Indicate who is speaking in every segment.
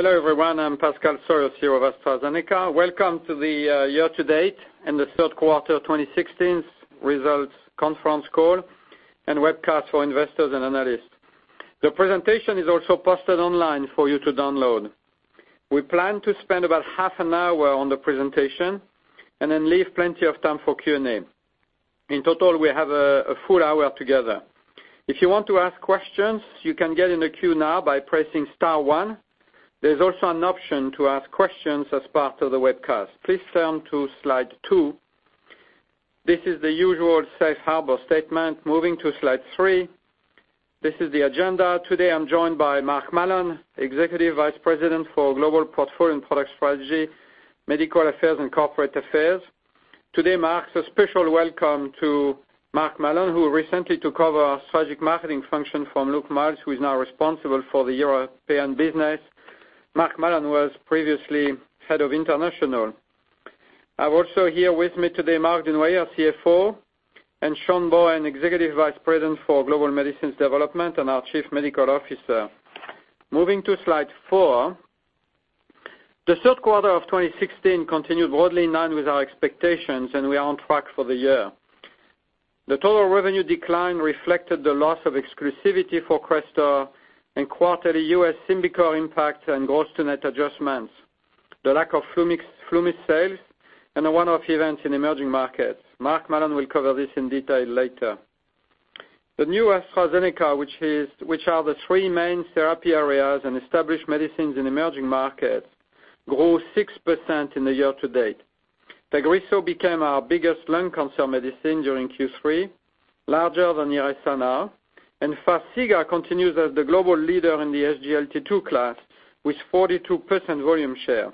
Speaker 1: Hello, everyone. I'm Pascal Soriot, CEO of AstraZeneca. Welcome to the year to date and the third quarter 2016 results conference call and webcast for investors and analysts. The presentation is also posted online for you to download. We plan to spend about half an hour on the presentation and then leave plenty of time for Q&A. In total, we have a full hour together. If you want to ask questions, you can get in the queue now by pressing star one. There's also an option to ask questions as part of the webcast. Please turn to Slide 2. This is the usual safe harbor statement. Moving to Slide 3. This is the agenda. Today I'm joined by Mark Mallon, Executive Vice President for Global Portfolio and Product Strategy, Medical Affairs and Corporate Affairs. Today marks a special welcome to Mark Mallon, who recently took over strategic marketing function from Luke Miels, who is now responsible for the European business. Mark Mallon was previously head of international. I've also here with me today, Marc Dunoyer, CFO, and Sean Bohen, Executive Vice President for Global Medicines Development and our Chief Medical Officer. Moving to Slide 4. The third quarter of 2016 continued broadly in line with our expectations. We are on track for the year. The total revenue decline reflected the loss of exclusivity for CRESTOR and quarterly U.S. SYMBICORT impact and gross to net adjustments, the lack of FluMist sales, and a one-off event in emerging markets. Mark Mallon will cover this in detail later. The new AstraZeneca, which are the three main therapy areas and established medicines in emerging markets, grew 6% in the year to date. TAGRISSO became our biggest lung cancer medicine during Q3, larger than IRESSA now. FARXIGA continues as the global leader in the SGLT2 class with 42% volume share,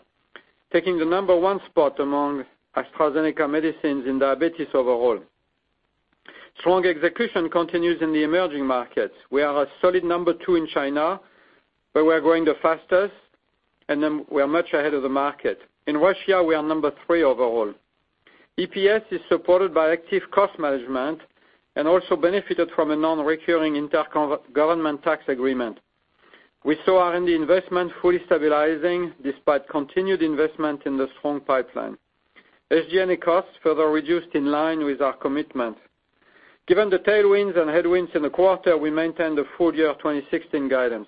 Speaker 1: taking the number 1 spot among AstraZeneca medicines in diabetes overall. Strong execution continues in the emerging markets. We are a solid number 2 in China, where we are growing the fastest, and we are much ahead of the market. In Russia, we are number 3 overall. EPS is supported by active cost management and also benefited from a non-recurring inter-government tax agreement. We saw R&D investment fully stabilizing despite continued investment in the strong pipeline. SG&A costs further reduced in line with our commitment. Given the tailwinds and headwinds in the quarter, we maintain the full year 2016 guidance.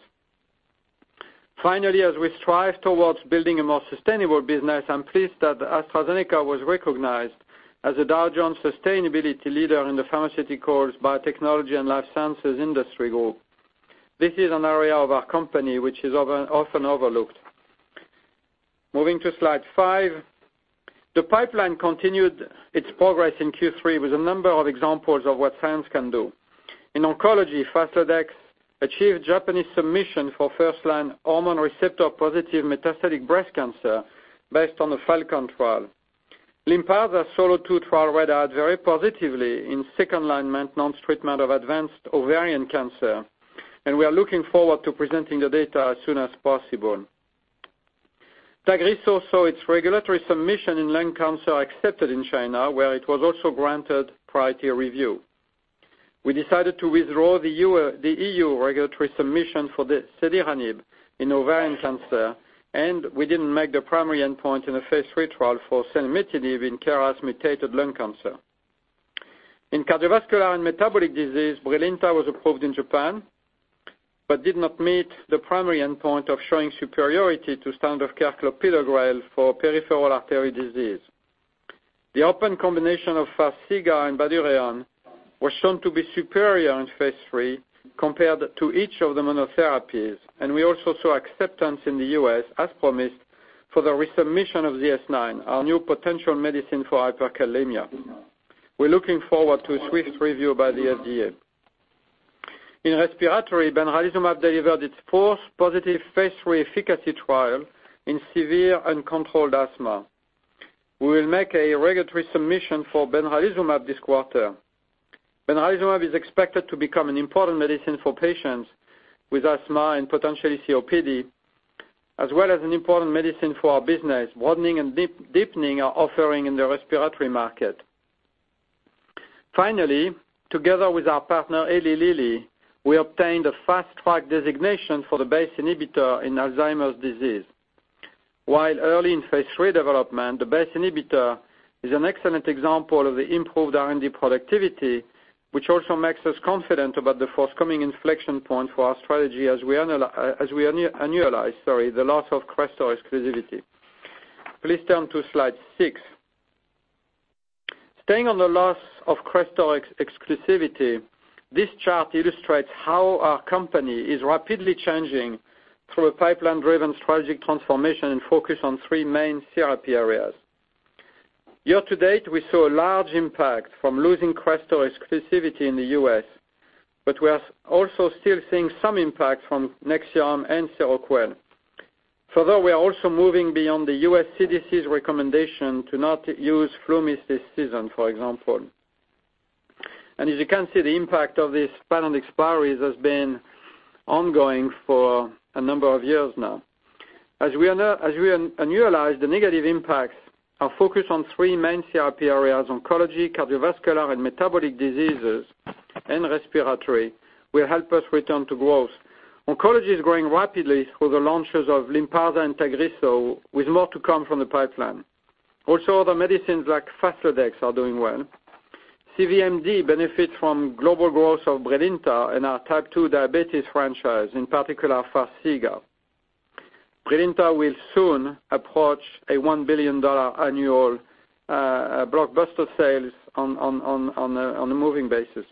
Speaker 1: Finally, as we strive towards building a more sustainable business, I'm pleased that AstraZeneca was recognized as a Dow Jones sustainability leader in the pharmaceuticals, biotechnology and life sciences industry group. This is an area of our company which is often overlooked. Moving to Slide 5. The pipeline continued its progress in Q3 with a number of examples of what science can do. In oncology, FASLODEX achieved Japanese submission for first-line hormone receptor-positive metastatic breast cancer based on the FALCON trial. LYNPARZA's SOLO2 trial read out very positively in second line maintenance treatment of advanced ovarian cancer. We are looking forward to presenting the data as soon as possible. TAGRISSO saw its regulatory submission in lung cancer accepted in China, where it was also granted priority review. We decided to withdraw the EU regulatory submission for selinexor in ovarian cancer, we didn't make the primary endpoint in a phase III trial for selumetinib in KRAS-mutated lung cancer. In cardiovascular and metabolic disease, BRILINTA was approved in Japan, but did not meet the primary endpoint of showing superiority to standard clopidogrel for peripheral artery disease. The open combination of FARXIGA and BYDUREON was shown to be superior in phase III compared to each of the monotherapies, we also saw acceptance in the U.S., as promised, for the resubmission of ZS-9, our new potential medicine for hyperkalemia. We're looking forward to a swift review by the FDA. In respiratory, benralizumab delivered its fourth positive phase III efficacy trial in severe uncontrolled asthma. We will make a regulatory submission for benralizumab this quarter. Benralizumab is expected to become an important medicine for patients with asthma and potentially COPD, as well as an important medicine for our business, broadening and deepening our offering in the respiratory market. Finally, together with our partner Eli Lilly, we obtained a Fast Track designation for the BACE inhibitor in Alzheimer's disease. While early in phase III development, the BACE inhibitor is an excellent example of the improved R&D productivity, which also makes us confident about the forthcoming inflection point for our strategy as we annualize the loss of CRESTOR exclusivity. Please turn to Slide 6. Staying on the loss of CRESTOR exclusivity, this chart illustrates how our company is rapidly changing through a pipeline-driven strategic transformation and focus on three main therapy areas. Year to date, we saw a large impact from losing CRESTOR exclusivity in the U.S., but we are also still seeing some impact from NEXIUM and SEROQUEL. Further, we are also moving beyond the U.S. CDC's recommendation to not use FluMist this season, for example. As you can see, the impact of these patent expiries has been ongoing for a number of years now. As we annualize the negative impacts, our focus on three main therapy areas, oncology, cardiovascular, and metabolic diseases And respiratory will help us return to growth. Oncology is growing rapidly through the launches of LYNPARZA and TAGRISSO, with more to come from the pipeline. Also, other medicines like FASLODEX are doing well. CVMD benefits from global growth of BRILINTA and our Type 2 diabetes franchise, in particular FARXIGA. BRILINTA will soon approach a $1 billion annual blockbuster sales on a moving basis.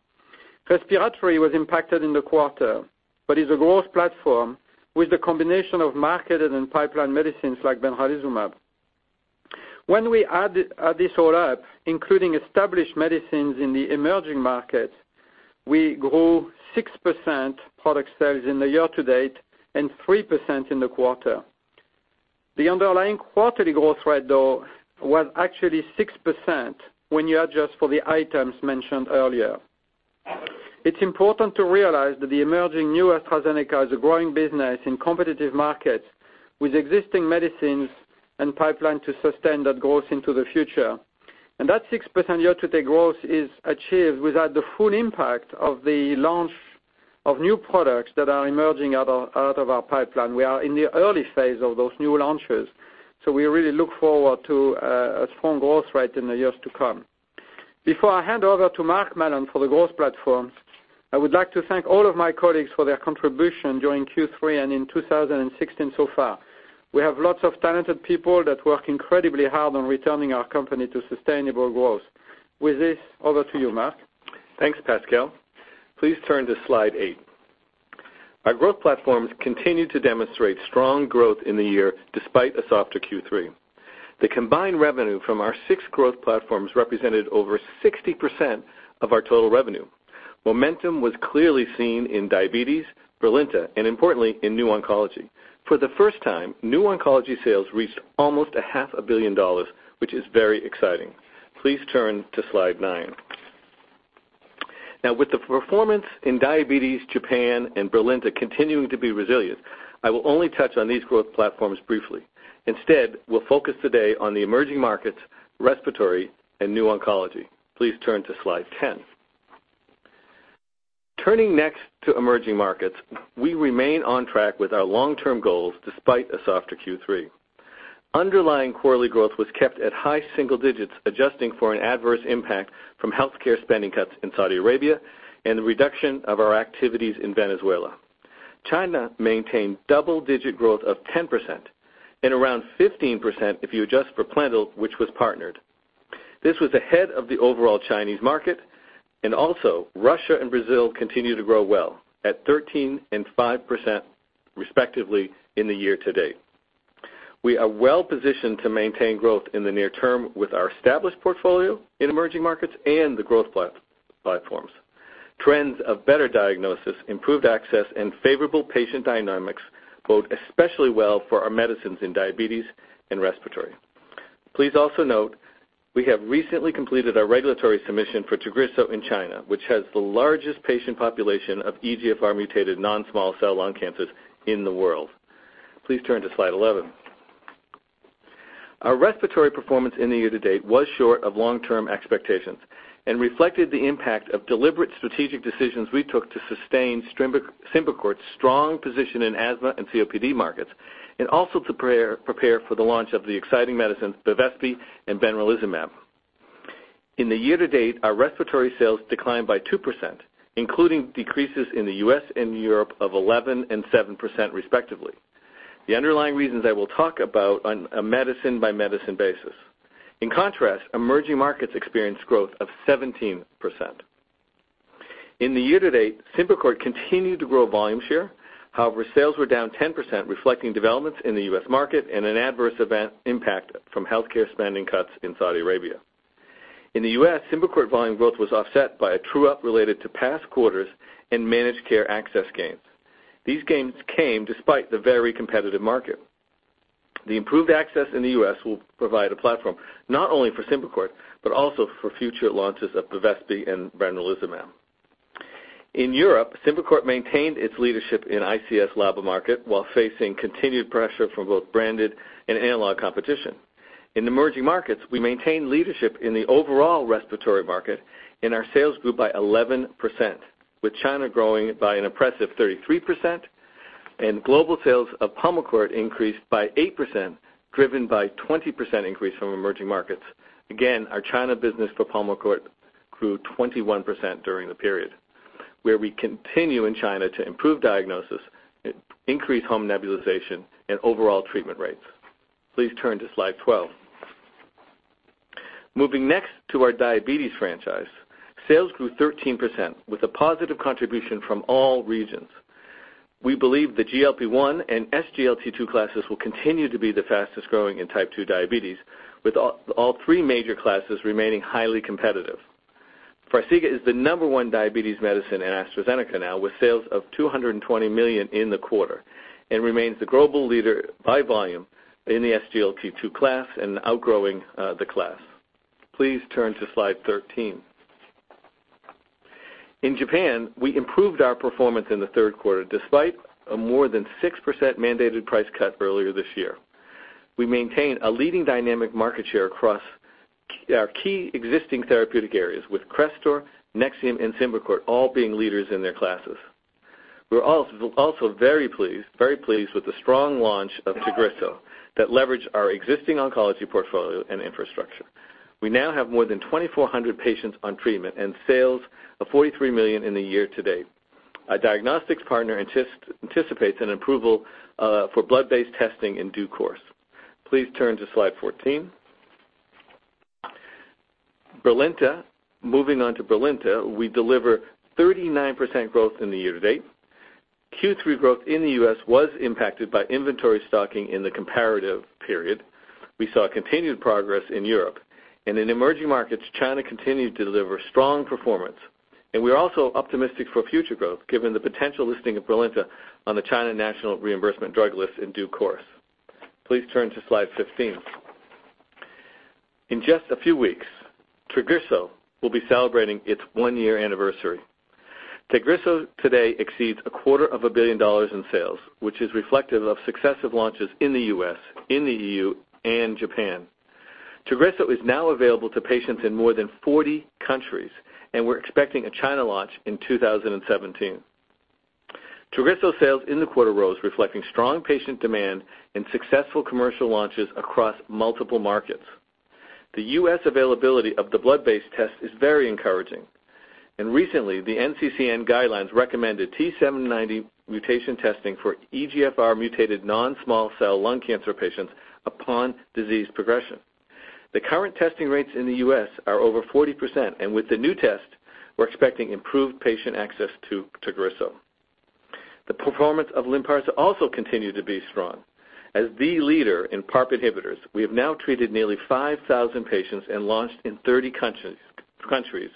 Speaker 1: Respiratory was impacted in the quarter, but is a growth platform with the combination of marketed and pipeline medicines like benralizumab. When we add this all up, including established medicines in the emerging markets, we grew 6% product sales in the year to date and 3% in the quarter. The underlying quarterly growth rate, though, was actually 6% when you adjust for the items mentioned earlier. It's important to realize that the emerging new AstraZeneca is a growing business in competitive markets with existing medicines and pipeline to sustain that growth into the future. That 6% year-to-date growth is achieved without the full impact of the launch of new products that are emerging out of our pipeline. We are in the early phase of those new launches, so we really look forward to a strong growth rate in the years to come. Before I hand over to Mark Mallon for the growth platforms, I would like to thank all of my colleagues for their contribution during Q3 and in 2016 so far. We have lots of talented people that work incredibly hard on returning our company to sustainable growth. With this, over to you, Mark.
Speaker 2: Thanks, Pascal. Please turn to slide eight. Our growth platforms continued to demonstrate strong growth in the year, despite a softer Q3. The combined revenue from our six growth platforms represented over 60% of our total revenue. Momentum was clearly seen in diabetes, BRILINTA, and importantly, in new oncology. For the first time, new oncology sales reached almost a half a billion dollars, which is very exciting. Please turn to slide nine. Now with the performance in diabetes, Japan, and BRILINTA continuing to be resilient, I will only touch on these growth platforms briefly. Instead, we will focus today on the emerging markets, respiratory, and new oncology. Please turn to slide 10. Turning next to emerging markets, we remain on track with our long-term goals despite a softer Q3. Underlying quarterly growth was kept at high single digits, adjusting for an adverse impact from healthcare spending cuts in Saudi Arabia and the reduction of our activities in Venezuela. China maintained double-digit growth of 10%, and around 15% if you adjust for PLENDIL, which was partnered. This was ahead of the overall Chinese market, and also Russia and Brazil continue to grow well at 13% and 5%, respectively, in the year to date. We are well-positioned to maintain growth in the near term with our established portfolio in emerging markets and the growth platforms. Trends of better diagnosis, improved access, and favorable patient dynamics bode especially well for our medicines in diabetes and respiratory. Please also note, we have recently completed our regulatory submission for TAGRISSO in China, which has the largest patient population of EGFR-mutated non-small cell lung cancers in the world. Please turn to slide 11. Our respiratory performance in the year to date was short of long-term expectations and reflected the impact of deliberate strategic decisions we took to sustain SYMBICORT's strong position in asthma and COPD markets, and also to prepare for the launch of the exciting medicine, Bevespi and benralizumab. In the year to date, our respiratory sales declined by 2%, including decreases in the U.S. and Europe of 11% and 7%, respectively. The underlying reasons I will talk about on a medicine-by-medicine basis. In contrast, emerging markets experienced growth of 17%. In the year to date, SYMBICORT continued to grow volume share. However, sales were down 10%, reflecting developments in the U.S. market and an adverse event impact from healthcare spending cuts in Saudi Arabia. In the U.S., SYMBICORT volume growth was offset by a true-up related to past quarters and managed care access gains. These gains came despite the very competitive market. The improved access in the U.S. will provide a platform not only for SYMBICORT, but also for future launches of Bevespi and benralizumab. In Europe, SYMBICORT maintained its leadership in ICS/LABA market while facing continued pressure from both branded and analog competition. In emerging markets, we maintained leadership in the overall respiratory market, and our sales grew by 11%, with China growing by an impressive 33% and global sales of PULMICORT increased by 8%, driven by 20% increase from emerging markets. Our China business for PULMICORT grew 21% during the period, where we continue in China to improve diagnosis, increase home nebulization, and overall treatment rates. Please turn to slide 12. Moving next to our diabetes franchise, sales grew 13% with a positive contribution from all regions. We believe the GLP-1 and SGLT2 classes will continue to be the fastest-growing in type 2 diabetes, with all three major classes remaining highly competitive. FARXIGA is the number one diabetes medicine in AstraZeneca now, with sales of $220 million in the quarter, and remains the global leader by volume in the SGLT2 class and outgrowing the class. Please turn to slide 13. In Japan, we improved our performance in the third quarter despite a more than 6% mandated price cut earlier this year. We maintain a leading dynamic market share across our key existing therapeutic areas with CRESTOR, NEXIUM, and SYMBICORT all being leaders in their classes. We are also very pleased with the strong launch of TAGRISSO that leverage our existing oncology portfolio and infrastructure. We now have more than 2,400 patients on treatment and sales of $43 million in the year to date. Our diagnostics partner anticipates an approval for blood-based testing in due course. Please turn to slide 14. Moving on to BRILINTA, we deliver 39% growth in the year to date. Q3 growth in the U.S. was impacted by inventory stocking in the comparative period. We saw continued progress in Europe. In emerging markets, China continued to deliver strong performance. We are also optimistic for future growth given the potential listing of BRILINTA on the China National Reimbursement Drug list in due course. Please turn to slide 15. In just a few weeks, TAGRISSO will be celebrating its one-year anniversary. TAGRISSO today exceeds a quarter of a billion dollars in sales, which is reflective of successive launches in the U.S., in the EU, and Japan. TAGRISSO is now available to patients in more than 40 countries, and we are expecting a China launch in 2017. TAGRISSO sales in the quarter rose reflecting strong patient demand and successful commercial launches across multiple markets. The U.S. availability of the blood-based test is very encouraging. Recently, the NCCN guidelines recommended T790 mutation testing for EGFR-mutated non-small cell lung cancer patients upon disease progression. The current testing rates in the U.S. are over 40%, and with the new test, we are expecting improved patient access to TAGRISSO. The performance of LYNPARZA also continued to be strong. As the leader in PARP inhibitors, we have now treated nearly 5,000 patients and launched in 30 countries,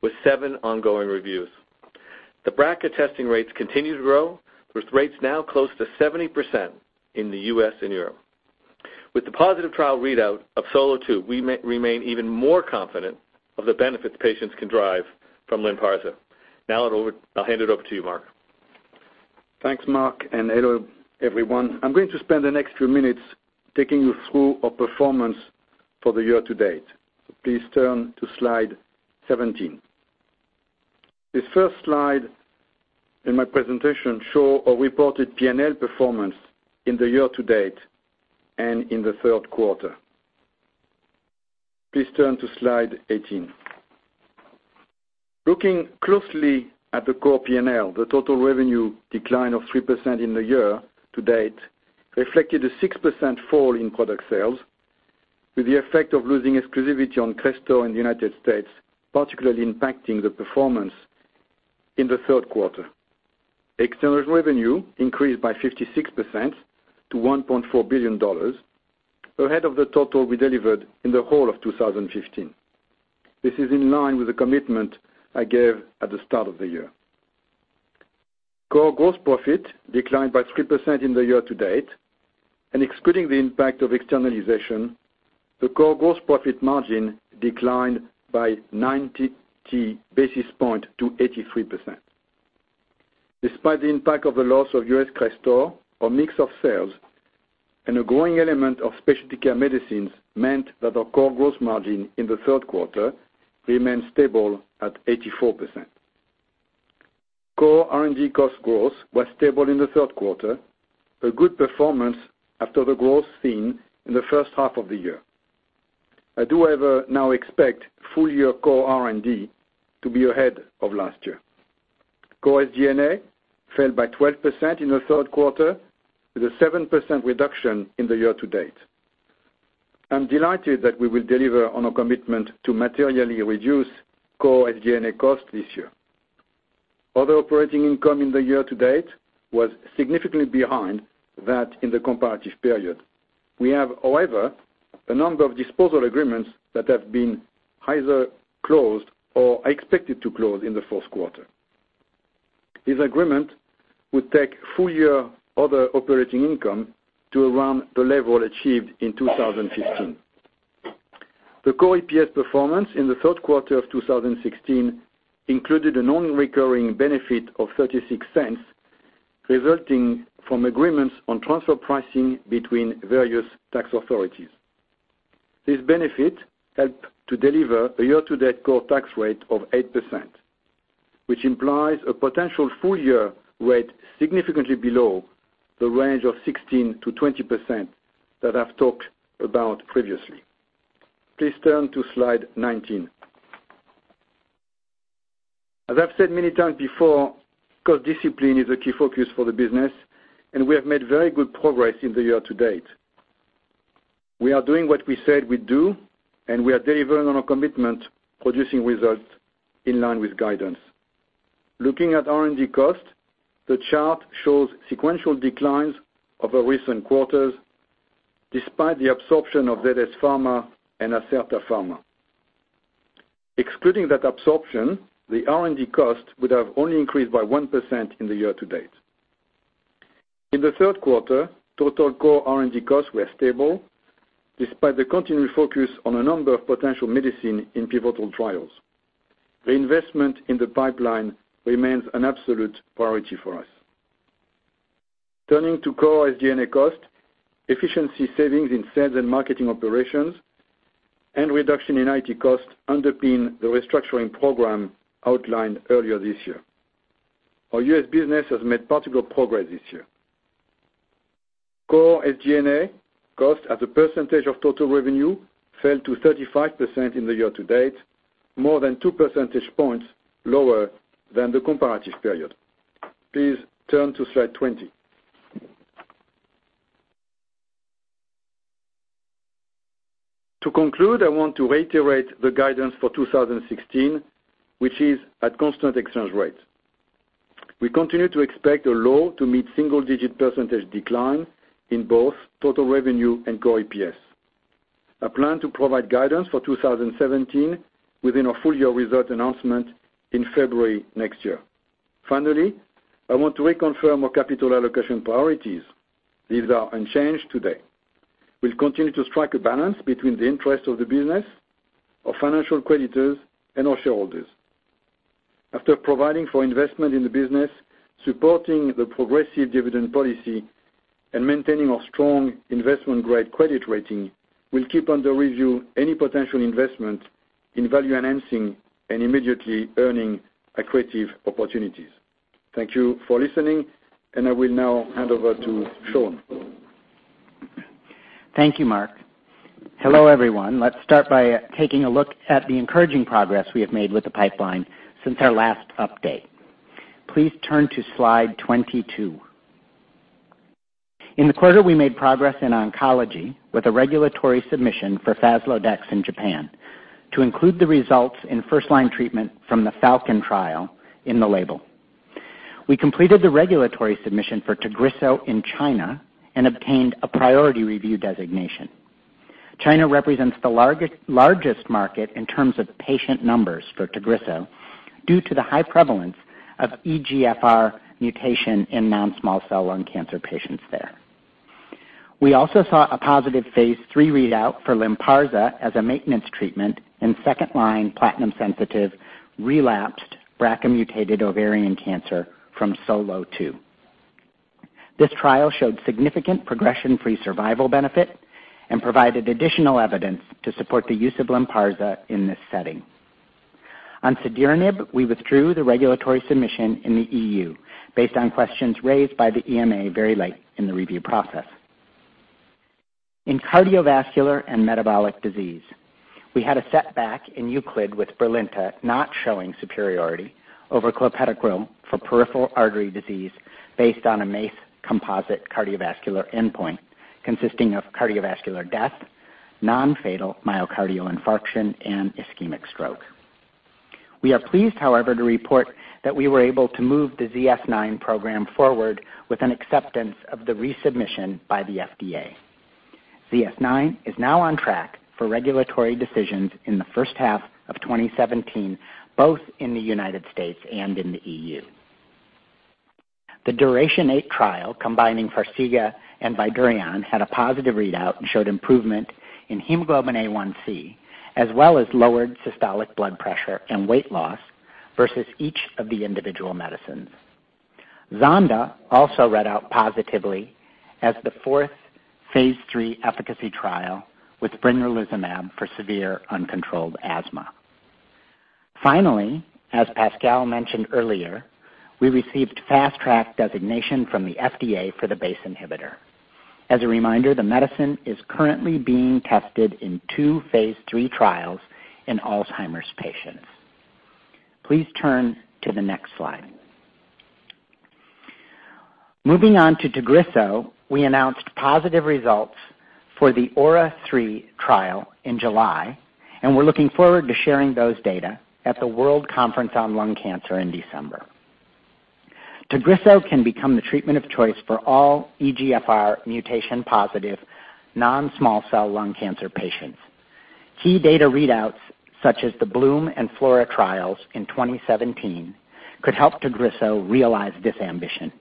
Speaker 2: with seven ongoing reviews. The BRCA testing rates continue to grow, with rates now close to 70% in the U.S. and Europe. With the positive trial readout of SOLO2, we remain even more confident of the benefits patients can derive from LYNPARZA. Now, I will hand it over to you, Marc.
Speaker 3: Thanks, Marc, and hello, everyone. I'm going to spend the next few minutes taking you through our performance for the year to date. Please turn to slide 17. This first slide in my presentation show our reported P&L performance in the year to date and in the third quarter. Please turn to slide 18. Looking closely at the core P&L, the total revenue decline of 3% in the year to date reflected a 6% fall in product sales, with the effect of losing exclusivity on CRESTOR in the United States, particularly impacting the performance in the third quarter. External revenue increased by 56% to $1.4 billion, ahead of the total we delivered in the whole of 2015. This is in line with the commitment I gave at the start of the year. Core gross profit declined by 3% in the year to date, and excluding the impact of externalization, the core gross profit margin declined by 90 basis point to 83%. Despite the impact of the loss of U.S. CRESTOR, our mix of sales, and a growing element of specialty care medicines meant that our core gross margin in the third quarter remained stable at 84%. Core R&D cost growth was stable in the third quarter, a good performance after the growth seen in the first half of the year. I do, however, now expect full-year core R&D to be ahead of last year. Core SG&A fell by 12% in the third quarter, with a 7% reduction in the year to date. I'm delighted that we will deliver on our commitment to materially reduce core SG&A costs this year. Other operating income in the year to date was significantly behind that in the comparative period. We have, however, a number of disposal agreements that have been either closed or are expected to close in the fourth quarter. This agreement would take full-year other operating income to around the level achieved in 2015. The core EPS performance in the third quarter of 2016 included a non-recurring benefit of $0.36, resulting from agreements on transfer pricing between various tax authorities. This benefit helped to deliver a year-to-date core tax rate of 8%, which implies a potential full-year rate significantly below the range of 16%-20% that I've talked about previously. Please turn to slide 19. As I've said many times before, cost discipline is a key focus for the business, and we have made very good progress in the year to date. We are doing what we said we'd do, we are delivering on our commitment, producing results in line with guidance. Looking at R&D costs, the chart shows sequential declines of our recent quarters, despite the absorption of ZS Pharma and Acerta Pharma. Excluding that absorption, the R&D cost would have only increased by 1% in the year to date. In the third quarter, total core R&D costs were stable, despite the continuing focus on a number of potential medicine in pivotal trials. The investment in the pipeline remains an absolute priority for us. Turning to core SG&A cost, efficiency savings in sales and marketing operations and reduction in IT costs underpin the restructuring program outlined earlier this year. Our U.S. business has made particular progress this year. Core SG&A cost as a percentage of total revenue fell to 35% in the year to date, more than 2 percentage points lower than the comparative period. Please turn to slide 20. To conclude, I want to reiterate the guidance for 2016, which is at constant exchange rates. We continue to expect a low to mid-single digit percentage decline in both total revenue and core EPS. I plan to provide guidance for 2017 within our full-year result announcement in February next year. Finally, I want to reconfirm our capital allocation priorities. These are unchanged today. We will continue to strike a balance between the interests of the business, our financial creditors, and our shareholders. After providing for investment in the business, supporting the progressive dividend policy, and maintaining our strong investment-grade credit rating, we will keep under review any potential investment in value enhancing and immediately earning accretive opportunities. Thank you for listening, I will now hand over to Sean.
Speaker 4: Thank you, Marc. Hello, everyone. Let's start by taking a look at the encouraging progress we have made with the pipeline since our last update. Please turn to slide 22. In the quarter, we made progress in oncology with a regulatory submission for FASLODEX in Japan to include the results in first-line treatment from the FALCON trial in the label. We completed the regulatory submission for TAGRISSO in China and obtained a priority review designation. China represents the largest market in terms of patient numbers for TAGRISSO due to the high prevalence of EGFR mutation in non-small cell lung cancer patients there. We also saw a positive phase III readout for LYNPARZA as a maintenance treatment in second-line platinum-sensitive relapsed BRCA-mutated ovarian cancer from SOLO2. This trial showed significant progression-free survival benefit and provided additional evidence to support the use of LYNPARZA in this setting. On selumetinib, we withdrew the regulatory submission in the EU based on questions raised by the EMA very late in the review process. In cardiovascular and metabolic disease, we had a setback in EUCLID with BRILINTA not showing superiority over clopidogrel for peripheral artery disease based on a MACE composite cardiovascular endpoint consisting of cardiovascular death, non-fatal myocardial infarction, and ischemic stroke. We are pleased, however, to report that we were able to move the ZS-9 program forward with an acceptance of the resubmission by the FDA. ZS-9 is now on track for regulatory decisions in the first half of 2017, both in the United States and in the EU. The DURATION-8 trial, combining FARXIGA and BYDUREON, had a positive readout and showed improvement in hemoglobin A1c, as well as lowered systolic blood pressure and weight loss versus each of the individual medicines. ZONDA also read out positively as the fourth phase III efficacy trial with benralizumab for severe uncontrolled asthma. Finally, as Pascal mentioned earlier, we received Fast Track designation from the FDA for the BACE inhibitor. As a reminder, the medicine is currently being tested in two phase III trials in Alzheimer's patients. Please turn to the next slide. Moving on to TAGRISSO, we announced positive results for the AURA3 trial in July, and we're looking forward to sharing those data at the World Conference on Lung Cancer in December. TAGRISSO can become the treatment of choice for all EGFR mutation-positive non-small cell lung cancer patients. Key data readouts such as the BLOOM and FLAURA trials in 2017 could help TAGRISSO realize this ambition.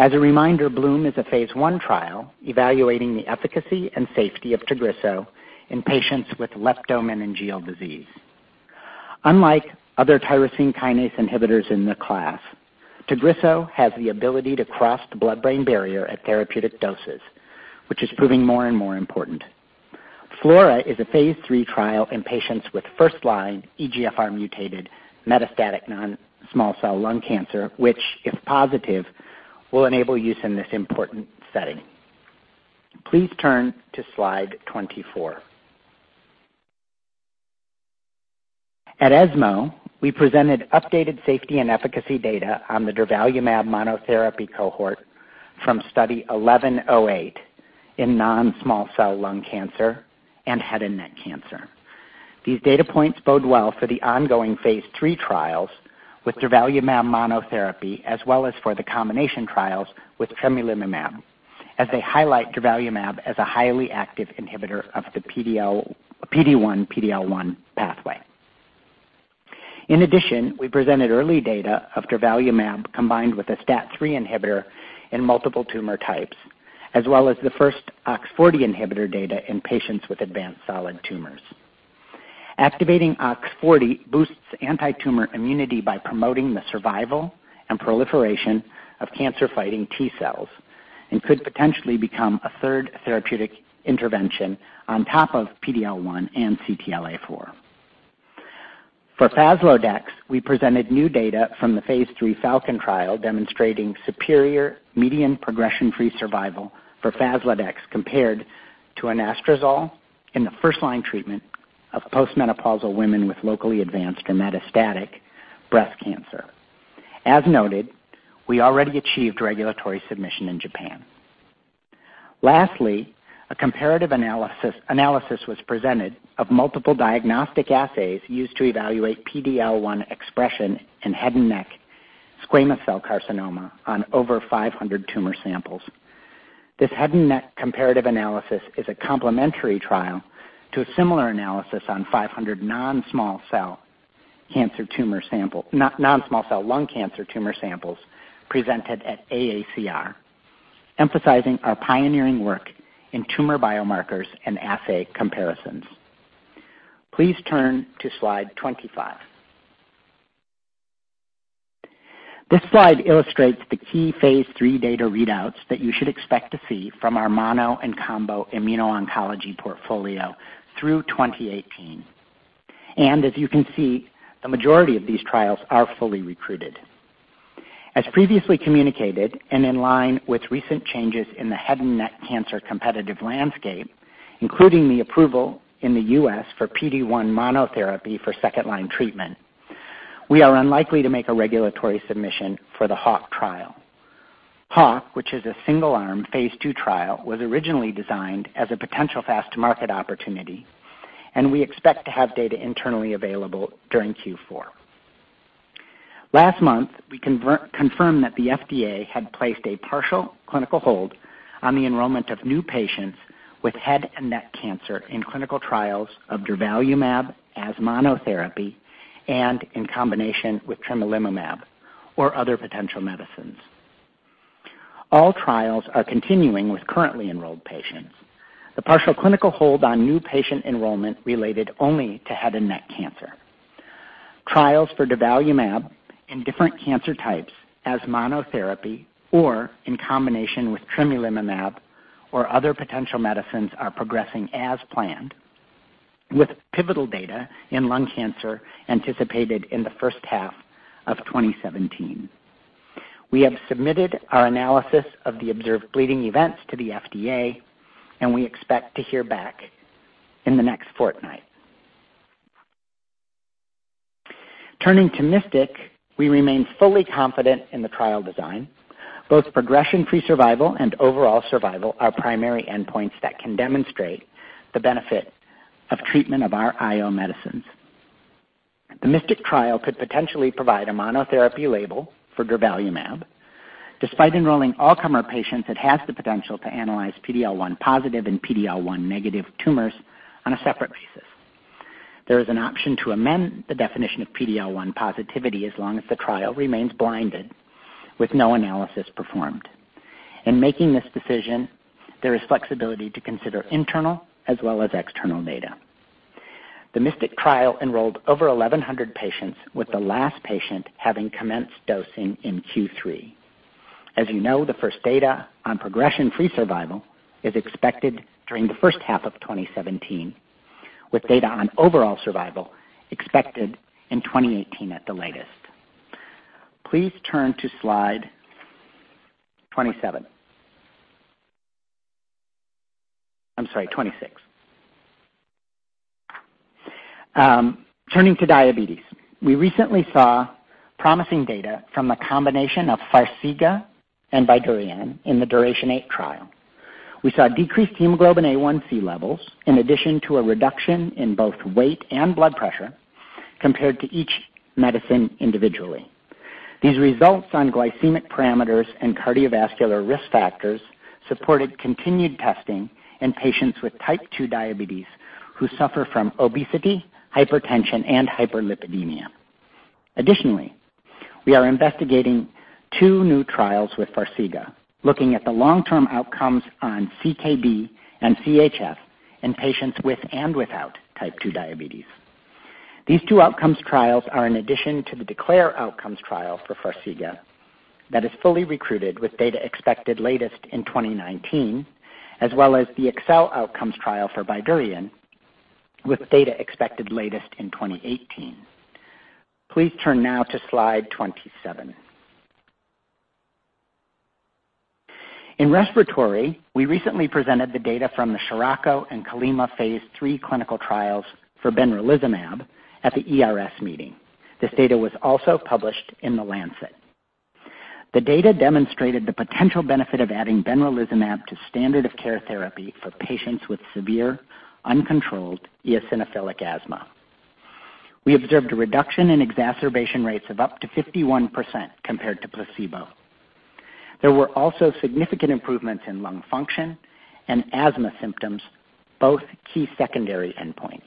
Speaker 4: As a reminder, BLOOM is a phase I trial evaluating the efficacy and safety of TAGRISSO in patients with leptomeningeal disease. Unlike other tyrosine kinase inhibitors in the class, TAGRISSO has the ability to cross the blood-brain barrier at therapeutic doses, which is proving more and more important. FLAURA is a phase III trial in patients with first-line EGFR mutated metastatic non-small cell lung cancer, which, if positive, will enable use in this important setting. Please turn to slide 24. At ESMO, we presented updated safety and efficacy data on the durvalumab monotherapy cohort from study 1108 in non-small cell lung cancer and head and neck cancer. These data points bode well for the ongoing phase III trials with durvalumab monotherapy, as well as for the combination trials with tremelimumab, as they highlight durvalumab as a highly active inhibitor of the PD-1, PD-L1 pathway. In addition, we presented early data of durvalumab combined with a STAT3 inhibitor in multiple tumor types. As well as the first OX40 inhibitor data in patients with advanced solid tumors. Activating OX40 boosts anti-tumor immunity by promoting the survival and proliferation of cancer-fighting T cells, and could potentially become a third therapeutic intervention on top of PD-L1 and CTLA4. For FASLODEX, we presented new data from the phase III FALCON trial demonstrating superior median progression-free survival for FASLODEX compared to anastrozole in the first-line treatment of post-menopausal women with locally advanced or metastatic breast cancer. As noted, we already achieved regulatory submission in Japan. Lastly, a comparative analysis was presented of multiple diagnostic assays used to evaluate PD-L1 expression in head and neck squamous cell carcinoma on over 500 tumor samples. This head and neck comparative analysis is a complementary trial to a similar analysis on 500 non-small cell lung cancer tumor samples presented at AACR, emphasizing our pioneering work in tumor biomarkers and assay comparisons. Please turn to slide 25. This slide illustrates the key phase III data readouts that you should expect to see from our mono and combo immuno-oncology portfolio through 2018. As you can see, the majority of these trials are fully recruited. As previously communicated, and in line with recent changes in the head and neck cancer competitive landscape, including the approval in the U.S. for PD-1 monotherapy for second-line treatment, we are unlikely to make a regulatory submission for the HAWK trial. HAWK, which is a single-arm phase II trial, was originally designed as a potential fast-to-market opportunity, and we expect to have data internally available during Q4. Last month, we confirmed that the FDA had placed a partial clinical hold on the enrollment of new patients with head and neck cancer in clinical trials of durvalumab as monotherapy and in combination with tremelimumab or other potential medicines. All trials are continuing with currently enrolled patients. The partial clinical hold on new patient enrollment related only to head and neck cancer. Trials for durvalumab in different cancer types as monotherapy or in combination with tremelimumab or other potential medicines are progressing as planned, with pivotal data in lung cancer anticipated in the first half of 2017. We have submitted our analysis of the observed bleeding events to the FDA. We expect to hear back in the next fortnight. Turning to MYSTIC, we remain fully confident in the trial design. Both progression-free survival and overall survival are primary endpoints that can demonstrate the benefit of treatment of our IO medicines. The MYSTIC trial could potentially provide a monotherapy label for durvalumab. Despite enrolling all-comer patients, it has the potential to analyze PD-L1 positive and PD-L1 negative tumors on a separate basis. There is an option to amend the definition of PD-L1 positivity as long as the trial remains blinded with no analysis performed. In making this decision, there is flexibility to consider internal as well as external data. The MYSTIC trial enrolled over 1,100 patients, with the last patient having commenced dosing in Q3. As you know, the first data on progression-free survival is expected during the first half of 2017, with data on overall survival expected in 2018 at the latest. Please turn to slide 27. I'm sorry, 26. Turning to diabetes. We recently saw promising data from the combination of FARXIGA and BYDUREON in the DURATION-8 trial. We saw decreased hemoglobin A1c levels, in addition to a reduction in both weight and blood pressure compared to each medicine individually. These results on glycemic parameters and cardiovascular risk factors supported continued testing in patients with type 2 diabetes who suffer from obesity, hypertension, and hyperlipidemia. Additionally, we are investigating two new trials with FARXIGA, looking at the long-term outcomes on CKD and CHF in patients with and without type 2 diabetes. These two outcomes trials are in addition to the DECLARE outcomes trial for FARXIGA that is fully recruited with data expected latest in 2019, as well as the EXSCEL outcomes trial for BYDUREON, with data expected latest in 2018. Please turn now to slide 27. In respiratory, we recently presented the data from the SIROCCO and CALIMA phase III clinical trials for benralizumab at the ERS meeting. This data was also published in The Lancet. The data demonstrated the potential benefit of adding benralizumab to standard of care therapy for patients with severe, uncontrolled eosinophilic asthma. We observed a reduction in exacerbation rates of up to 51% compared to placebo. There were also significant improvements in lung function and asthma symptoms, both key secondary endpoints.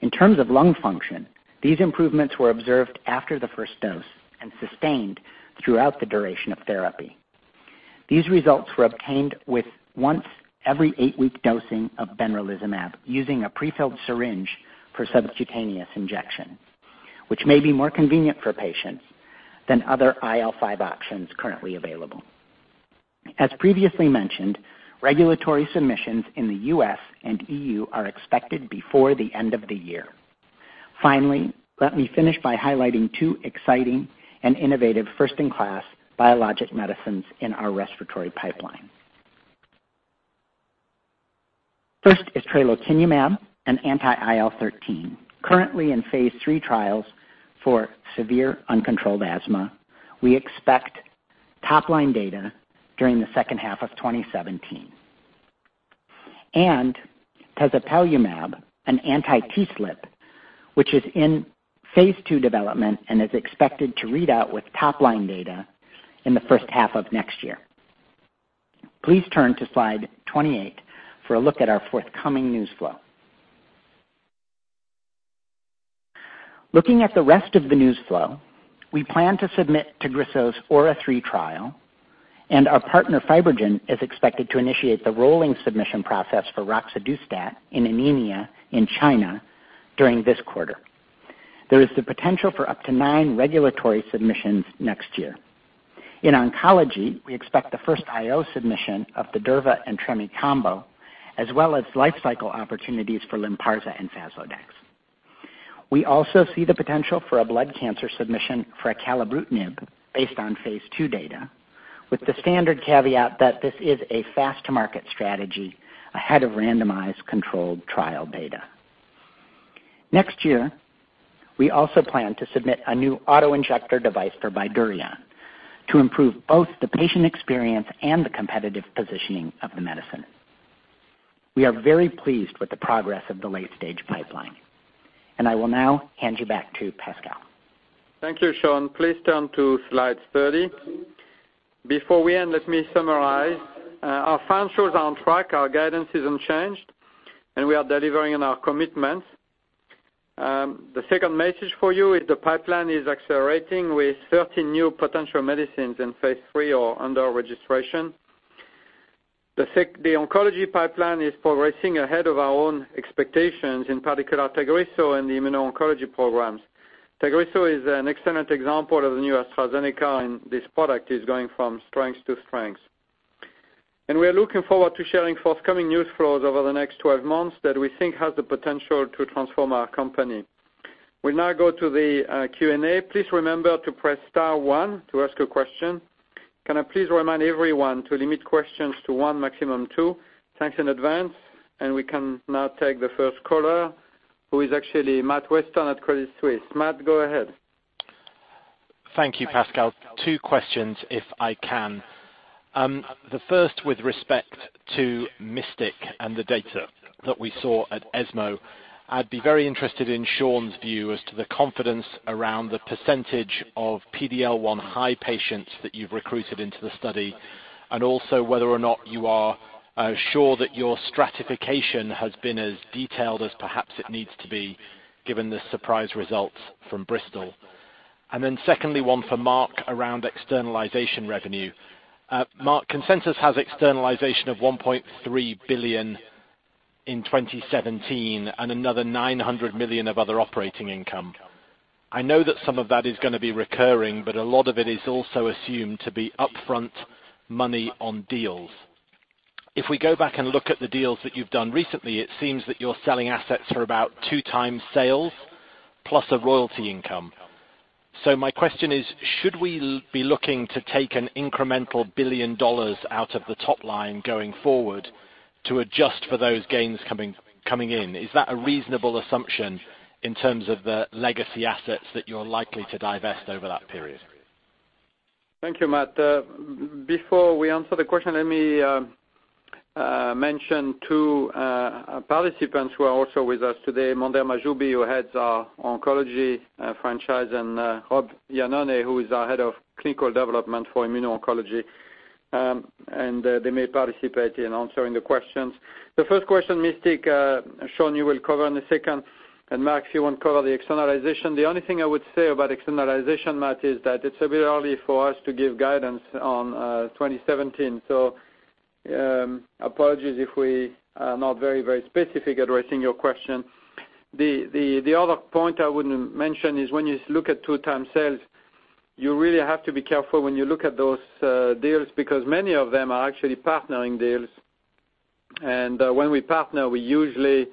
Speaker 4: In terms of lung function, these improvements were observed after the first dose and sustained throughout the duration of therapy. These results were obtained with once every 8-week dosing of benralizumab using a prefilled syringe for subcutaneous injection, which may be more convenient for patients than other IL-5 options currently available. As previously mentioned, regulatory submissions in the U.S. and EU are expected before the end of the year. Finally, let me finish by highlighting two exciting and innovative first-in-class biologic medicines in our respiratory pipeline. First is tralokinumab, an anti-IL-13, currently in phase III trials for severe uncontrolled asthma. We expect top-line data during the second half of 2017. tezepelumab, an anti-TSLP, which is in phase II development and is expected to read out with top-line data in the first half of next year. Please turn to slide 28 for a look at our forthcoming news flow. Looking at the rest of the news flow, we plan to submit TAGRISSO's AURA3 trial, and our partner, FibroGen, is expected to initiate the rolling submission process for roxadustat in anemia in China during this quarter. There is the potential for up to nine regulatory submissions next year. In oncology, we expect the first IO submission of durvalumab and tremelimumab combo, as well as life cycle opportunities for LYNPARZA and FASLODEX. We also see the potential for a blood cancer submission for acalabrutinib based on phase II data, with the standard caveat that this is a fast-to-market strategy ahead of randomized controlled trial data. Next year, we also plan to submit a new auto-injector device for BYDUREON to improve both the patient experience and the competitive positioning of the medicine. We are very pleased with the progress of the late-stage pipeline. I will now hand you back to Pascal.
Speaker 1: Thank you, Sean. Please turn to slide 30. Before we end, let me summarize. Our financials are on track, our guidance is unchanged, and we are delivering on our commitments. The second message for you is the pipeline is accelerating with 13 new potential medicines in phase III or under registration. The oncology pipeline is progressing ahead of our own expectations, in particular TAGRISSO and the immuno-oncology programs. TAGRISSO is an excellent example of the new AstraZeneca, and this product is going from strength to strength. We are looking forward to sharing forthcoming news flows over the next 12 months that we think has the potential to transform our company. We'll now go to the Q&A. Please remember to press star one to ask a question. Can I please remind everyone to limit questions to one, maximum two? Thanks in advance, and we can now take the first caller, who is actually Matt Weston at Credit Suisse. Matt, go ahead.
Speaker 5: Thank you, Pascal. Two questions if I can. The first with respect to MYSTIC and the data that we saw at ESMO. I'd be very interested in Sean's view as to the confidence around the percentage of PD-L1 high patients that you've recruited into the study, and also whether or not you are sure that your stratification has been as detailed as perhaps it needs to be, given the surprise results from Bristol. Secondly, one for Marc around externalization revenue. Marc, consensus has externalization of $1.3 billion in 2017 and another $900 million of other operating income. I know that some of that is going to be recurring, but a lot of it is also assumed to be upfront money on deals. If we go back and look at the deals that you've done recently, it seems that you're selling assets for about two times sales plus a royalty income. My question is, should we be looking to take an incremental $1 billion out of the top line going forward to adjust for those gains coming in? Is that a reasonable assumption in terms of the legacy assets that you're likely to divest over that period?
Speaker 1: Thank you, Matt. Before we answer the question, let me mention two participants who are also with us today, Mondher Mahjoubi, who heads our oncology franchise, and Rob Iannone, who is our head of clinical development for immuno-oncology. They may participate in answering the questions. The first question, MYSTIC, Sean, you will cover in a second. Marc, you will cover the externalization. The only thing I would say about externalization, Matt, is that it's a bit early for us to give guidance on 2017. Apologies if we are not very specific addressing your question. The other point I would mention is when you look at two times sales, you really have to be careful when you look at those deals because many of them are actually partnering deals. When we partner, we usually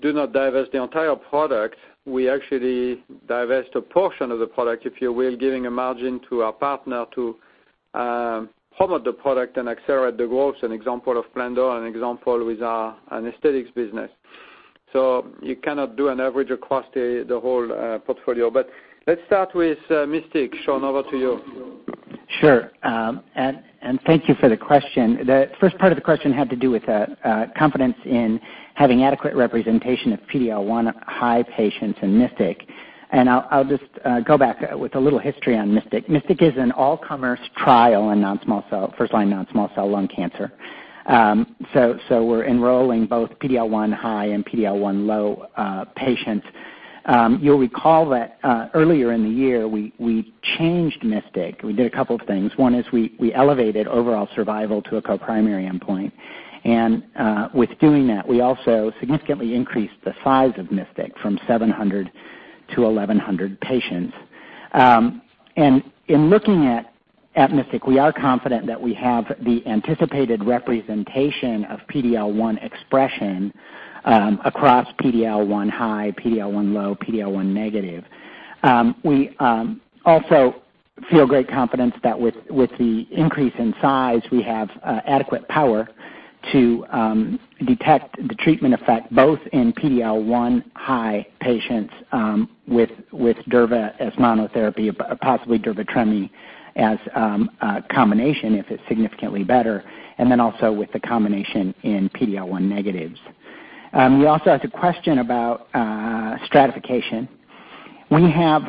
Speaker 1: do not divest the entire product. We actually divest a portion of the product, if you will, giving a margin to our partner to promote the product and accelerate the growth, an example of PLENDIL, an example with our anesthetics business. You cannot do an average across the whole portfolio. Let's start with MYSTIC. Sean, over to you.
Speaker 4: Sure. Thank you for the question. The first part of the question had to do with confidence in having adequate representation of PD-L1 high patients in MYSTIC. I'll just go back with a little history on MYSTIC. MYSTIC is an all-comers trial in first-line non-small cell lung cancer. We're enrolling both PD-L1 high and PD-L1 low patients. You'll recall that earlier in the year, we changed MYSTIC. We did a couple of things. One is we elevated overall survival to a co-primary endpoint. With doing that, we also significantly increased the size of MYSTIC from 700 to 1,100 patients. In looking at MYSTIC, we are confident that we have the anticipated representation of PD-L1 expression across PD-L1 high, PD-L1 low, PD-L1 negative. We also feel great confidence that with the increase in size, we have adequate power to detect the treatment effect both in PD-L1 high patients with durva as monotherapy, possibly durva-tremi as a combination if it's significantly better, also with the combination in PD-L1 negatives. You also asked a question about stratification. We have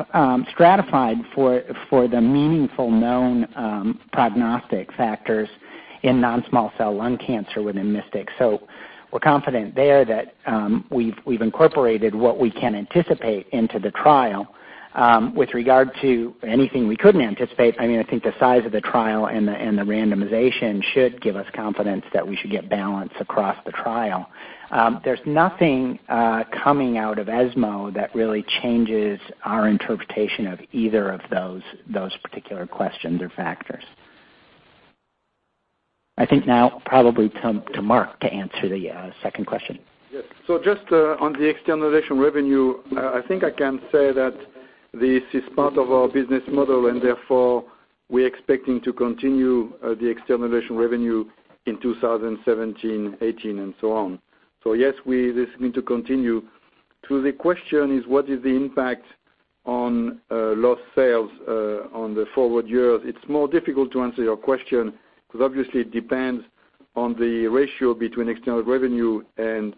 Speaker 4: stratified for the meaningful known prognostic factors in non-small cell lung cancer within MYSTIC. We're confident there that we've incorporated what we can anticipate into the trial. With regard to anything we couldn't anticipate, I think the size of the trial and the randomization should give us confidence that we should get balance across the trial. There's nothing coming out of ESMO that really changes our interpretation of either of those particular questions or factors. I think now I'll probably turn to Marc to answer the second question.
Speaker 3: Yes. Just on the externalization revenue, I think I can say that this is part of our business model, therefore, we're expecting to continue the externalization revenue in 2017, 2018, and so on. Yes, this is going to continue. The question is what is the impact on lost sales on the forward years? It's more difficult to answer your question because obviously it depends on the ratio between external revenue and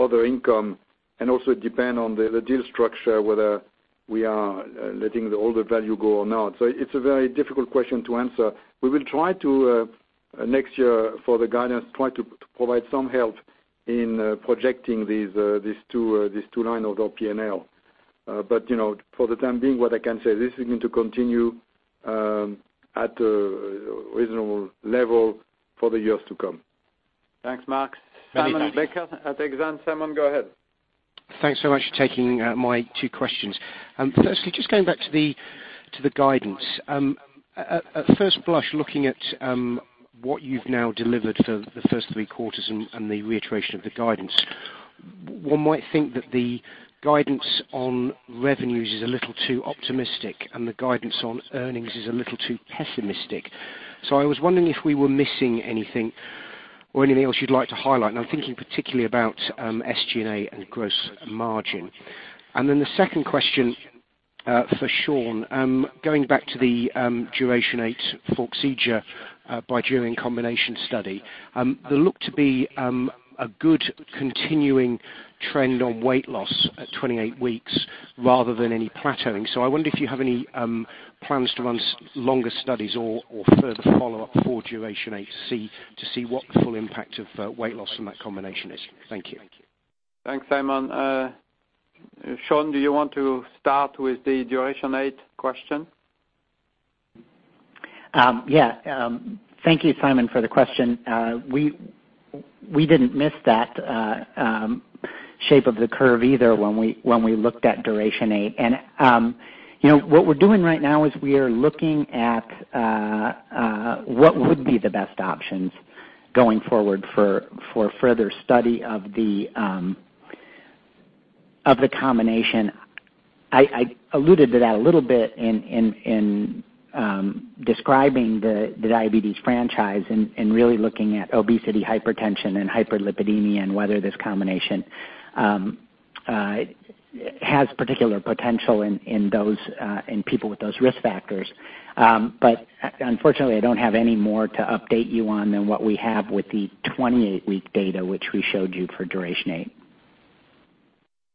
Speaker 3: other income, and also depends on the deal structure, whether we are letting the older value go or not. It's a very difficult question to answer. We will try to, next year for the guidance, try to provide some help in projecting these two lines of our P&L. For the time being, what I can say, this is going to continue at a reasonable level for the years to come.
Speaker 1: Thanks, Marc.
Speaker 4: Many thanks.
Speaker 1: Simon Baker at Exane. Simon, go ahead.
Speaker 6: Thanks so much for taking my two questions. Firstly, just going back to the guidance. At first blush, looking at what you've now delivered for the first three quarters and the reiteration of the guidance, one might think that the guidance on revenues is a little too optimistic and the guidance on earnings is a little too pessimistic. I was wondering if we were missing anything or anything else you'd like to highlight, and I'm thinking particularly about SG&A and gross margin. The second question for Sean, going back to the DURATION-8 Forxiga biguanide combination study. There looked to be a good continuing trend on weight loss at 28 weeks rather than any plateauing. I wonder if you have any plans to run longer studies or further follow-up for DURATION-8 to see what the full impact of weight loss from that combination is. Thank you.
Speaker 1: Thanks, Simon. Sean, do you want to start with the DURATION-8 question?
Speaker 4: Thank you, Simon, for the question. We didn't miss that shape of the curve either when we looked at DURATION-8. What we're doing right now is we are looking at what would be the best options going forward for further study of the combination. I alluded to that a little bit in describing the diabetes franchise and really looking at obesity, hypertension, and hyperlipidemia, and whether this combination has particular potential in people with those risk factors. Unfortunately, I don't have any more to update you on than what we have with the 28-week data which we showed you for DURATION-8.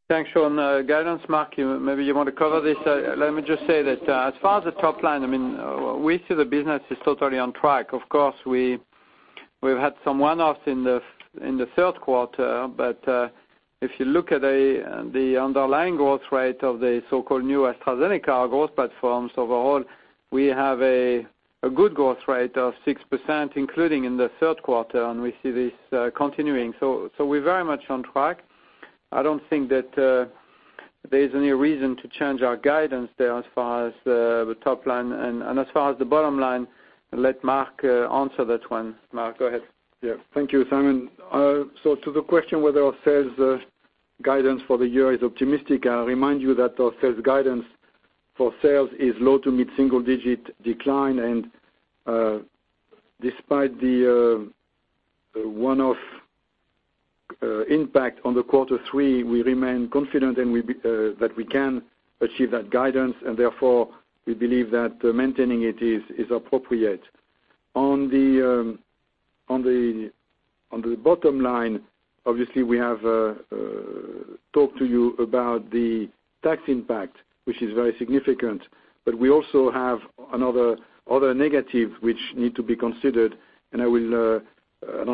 Speaker 1: Thanks, Sean. Guidance, Marc, maybe you want to cover this. Let me just say that as far as the top line, we see the business is totally on track. Of course, we've had some one-offs in the third quarter. If you look at the underlying growth rate of the so-called new AstraZeneca growth platforms, overall, we have a good growth rate of 6%, including in the third quarter, and we see this continuing. We're very much on track. I don't think that there's any reason to change our guidance there as far as the top line. As far as the bottom line, let Marc answer that one. Marc, go ahead.
Speaker 3: Thank you, Simon. To the question whether our sales guidance for the year is optimistic, I remind you that our sales guidance for sales is low to mid-single digit decline. Despite the one-off impact on the quarter three, we remain confident that we can achieve that guidance, and therefore we believe that maintaining it is appropriate. On the bottom line, obviously we have talked to you about the tax impact, which is very significant. We also have another negative which need to be considered, I don't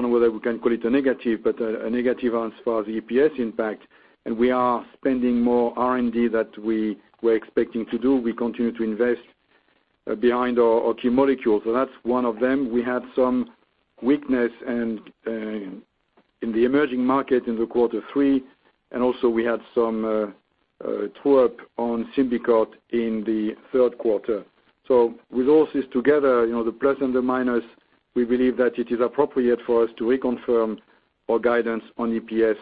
Speaker 3: know whether we can call it a negative, but a negative as far as EPS impact, and we are spending more R&D that we were expecting to do. We continue to invest behind our key molecules. That's one of them. We had some weakness in the emerging market in the quarter three, and also we had some true-up on SYMBICORT in the third quarter. With all this together, the plus and the minus, we believe that it is appropriate for us to reconfirm our guidance on EPS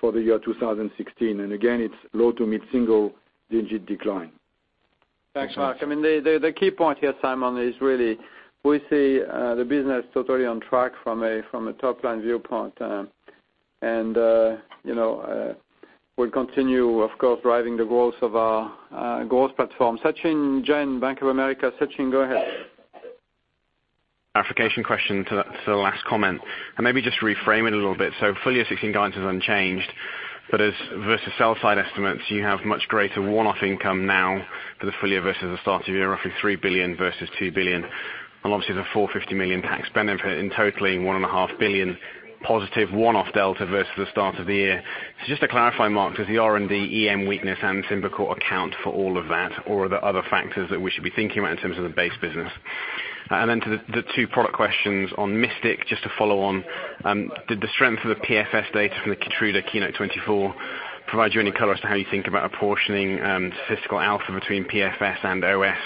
Speaker 3: for the year 2016. Again, it's low to mid-single digit decline.
Speaker 1: Thanks, Marc. The key point here, Simon, is really we see the business totally on track from a top-line viewpoint. We'll continue, of course, driving the growth of our growth platform. Sachin Jain, Bank of America. Sachin, go ahead.
Speaker 7: Clarification question to the last comment. Maybe just reframe it a little bit. Full-year 2016 guidance is unchanged, but versus sell side estimates, you have much greater one-off income now for the full year versus the start of the year, roughly $3 billion versus $2 billion, and obviously the $450 million tax benefit in totally $1.5 billion positive one-off delta versus the start of the year. Just to clarify, Marc, does the R&D, EM weakness, and SYMBICORT account for all of that? Are there other factors that we should be thinking about in terms of the base business? To the two product questions on MYSTIC, just to follow on, did the strength of the PFS data from the KEYTRUDA KEYNOTE-024 provide you any color as to how you think about apportioning statistical alpha between PFS and OS?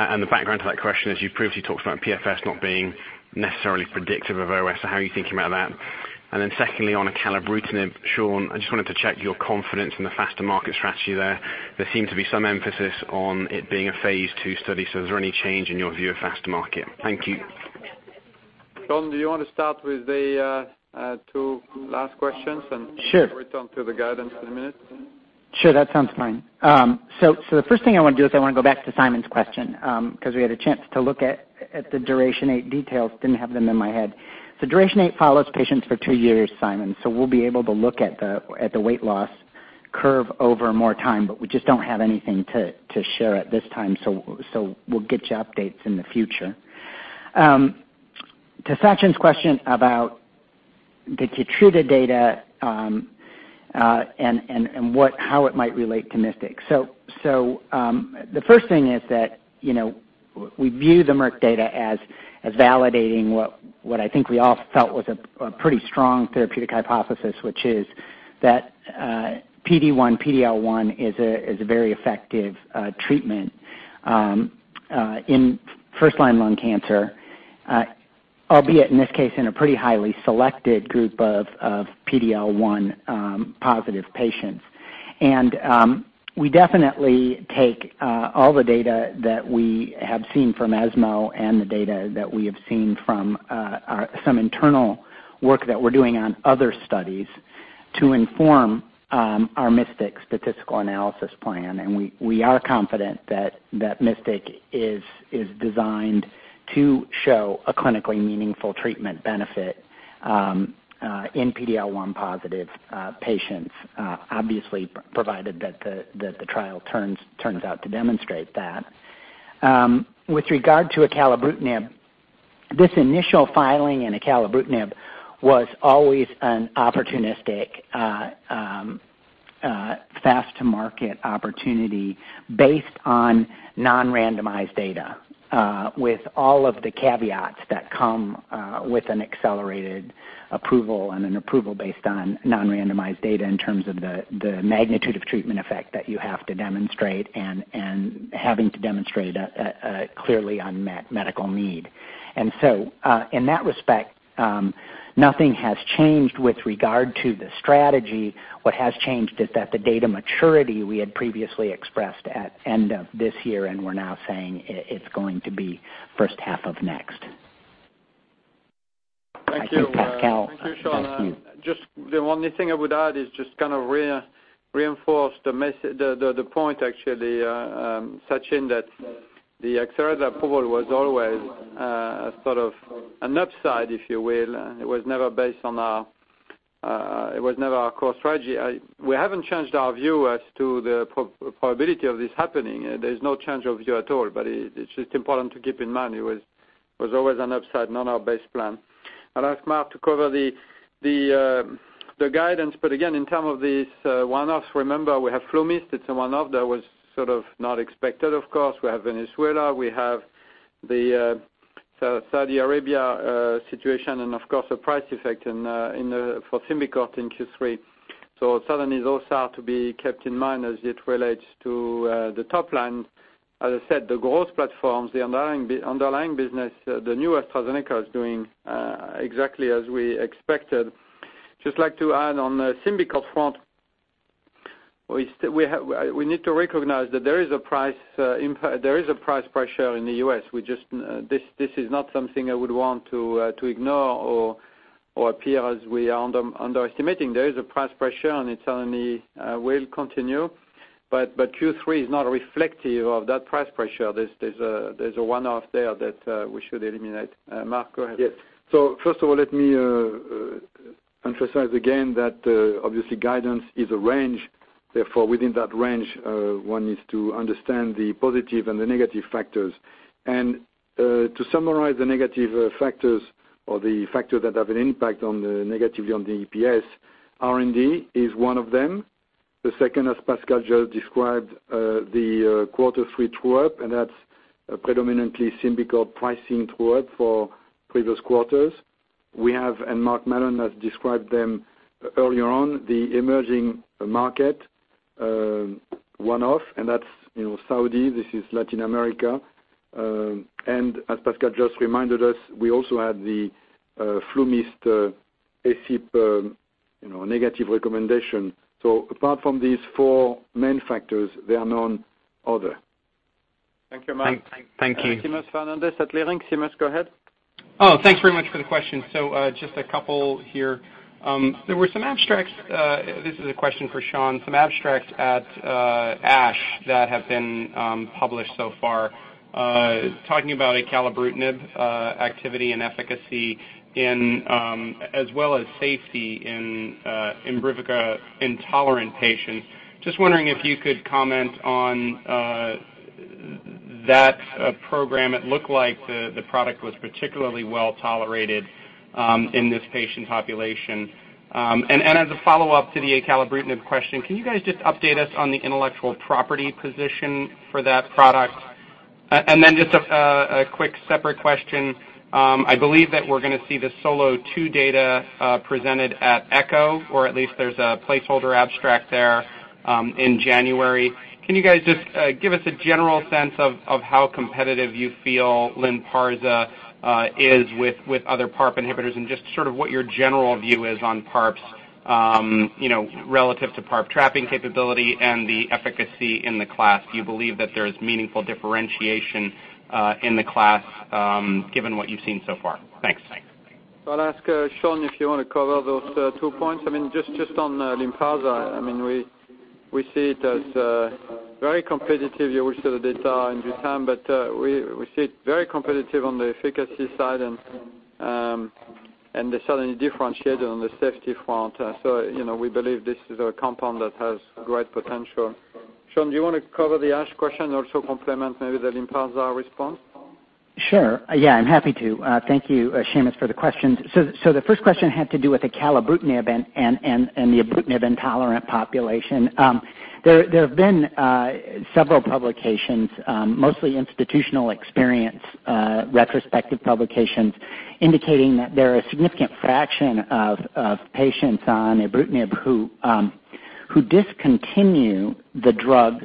Speaker 7: The background to that question is you've previously talked about PFS not being necessarily predictive of OS, how are you thinking about that? Secondly, on acalabrutinib, Sean, I just wanted to check your confidence in the faster market strategy there. There seemed to be some emphasis on it being a phase II study. Is there any change in your view of faster market? Thank you.
Speaker 1: Sean, do you want to start with the two last questions?
Speaker 4: Sure
Speaker 1: return to the guidance in a minute?
Speaker 4: Sure, that sounds fine. The first thing I want to do is I want to go back to Simon's question because we had a chance to look at the DURATION-8 details. Didn't have them in my head. DURATION-8 follows patients for two years, Simon, we'll be able to look at the weight loss curve over more time, but we just don't have anything to share at this time. We'll get you updates in the future. To Sachin's question about the KEYTRUDA data and how it might relate to MYSTIC. The first thing is that we view the Merck data as validating what I think we all felt was a pretty strong therapeutic hypothesis, which is that PD-1, PD-L1 is a very effective treatment in first-line lung cancer, albeit in this case, in a pretty highly selected group of PD-L1 positive patients. We definitely take all the data that we have seen from ESMO and the data that we have seen from some internal work that we're doing on other studies to inform our MYSTIC statistical analysis plan. We are confident that MYSTIC is designed to show a clinically meaningful treatment benefit in PD-L1 positive patients, obviously provided that the trial turns out to demonstrate that. With regard to acalabrutinib, this initial filing in acalabrutinib was always an opportunistic fast-to-market opportunity based on non-randomized data with all of the caveats that come with an accelerated approval and an approval based on non-randomized data in terms of the magnitude of treatment effect that you have to demonstrate and having to demonstrate a clearly unmet medical need. In that respect, nothing has changed with regard to the strategy. What has changed is that the data maturity we had previously expressed at end of this year, and we're now saying it's going to be first half of next.
Speaker 1: Thank you.
Speaker 4: I think Pascal.
Speaker 1: Thank you, Sean.
Speaker 4: is next to you.
Speaker 1: The only thing I would add is just reinforce the point actually, Sachin, that the accelerated approval was always a sort of an upside, if you will. It was never our core strategy. We haven't changed our view as to the probability of this happening. There's no change of view at all, but it's just important to keep in mind it was always an upside, not our base plan. I'll ask Marc to cover the guidance, but again, in terms of these one-offs, remember we have FluMist. It's a one-off that was sort of not expected, of course. We have Venezuela. We have the Saudi Arabia situation and of course, the price effect for SYMBICORT in Q3. Certainly those are to be kept in mind as it relates to the top line. Yes. As I said, the growth platforms, the underlying business, the new AstraZeneca is doing exactly as we expected. Just like to add on the SYMBICORT front, we need to recognize that there is a price pressure in the U.S. This is not something I would want to ignore or appear as we are underestimating. There is a price pressure and it certainly will continue. Q3 is not reflective of that price pressure. There's a one-off there that we should eliminate. Marc, go ahead.
Speaker 3: Yes. First of all, let me emphasize again that obviously guidance is a range, therefore within that range, one needs to understand the positive and the negative factors. To summarize the negative factors or the factors that have an impact negatively on the EPS, R&D is one of them. The second, as Pascal just described, the quarter three true-up, and that's predominantly SYMBICORT pricing true-up for previous quarters. We have, Mark Mallon has described them earlier on, the emerging market one-off, and that's Saudi, this is Latin America. As Pascal just reminded us, we also had the FluMist ACIP negative recommendation. Apart from these four main factors, there are none other.
Speaker 1: Thank you, Marc.
Speaker 3: Thank you.
Speaker 1: Seamus Fernandez at Leerink. Seamus, go ahead.
Speaker 8: Thanks very much for the question. Just a couple here. There were some abstracts, this is a question for Sean, some abstracts at ASH that have been published so far talking about acalabrutinib activity and efficacy as well as safety in ibrutinib intolerant patients. Just wondering if you could comment on that program. And as a follow-up to the acalabrutinib question, can you guys just update us on the intellectual property position for that product? And then just a quick separate question. I believe that we're going to see the SOLO2 data presented at ESGO, or at least there's a placeholder abstract there in January. Can you guys just give us a general sense of how competitive you feel LYNPARZA is with other PARP inhibitors and just sort of what your general view is on PARPs relative to PARP trapping capability and the efficacy in the class? Do you believe that there's meaningful differentiation in the class given what you've seen so far? Thanks.
Speaker 1: I'll ask Sean if you want to cover those two points. I mean, just on LYNPARZA, we see it as very competitive. You will see the data in due time, but we see it very competitive on the efficacy side and certainly differentiated on the safety front. We believe this is a compound that has great potential. Sean, do you want to cover the ASH question, also complement maybe the LYNPARZA response?
Speaker 4: Sure. Yeah, I'm happy to. Thank you, Seamus, for the questions. The first question had to do with acalabrutinib and the ibrutinib-intolerant population. There have been several publications, mostly institutional experience retrospective publications, indicating that there are a significant fraction of patients on ibrutinib who discontinue the drug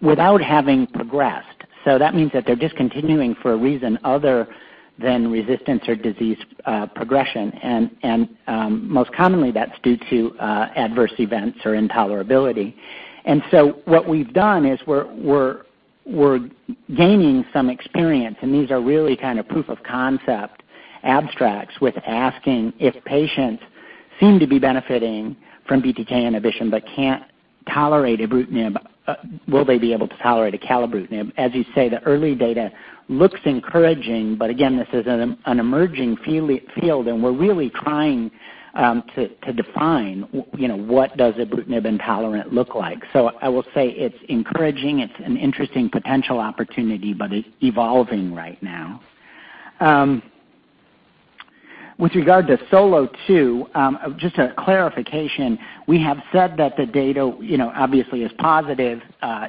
Speaker 4: without having progressed. That means that they're discontinuing for a reason other than resistance or disease progression, and most commonly that's due to adverse events or intolerability. What we've done is we're gaining some experience, and these are really kind of proof of concept abstracts with asking if patients seem to be benefiting from BTK inhibition but can't tolerate ibrutinib, will they be able to tolerate acalabrutinib? As you say, the early data looks encouraging, but again, this is an emerging field, and we're really trying to define what does ibrutinib intolerant look like. I will say it's encouraging, it's an interesting potential opportunity, but it's evolving right now. With regard to SOLO2, just a clarification, we have said that the data obviously is positive,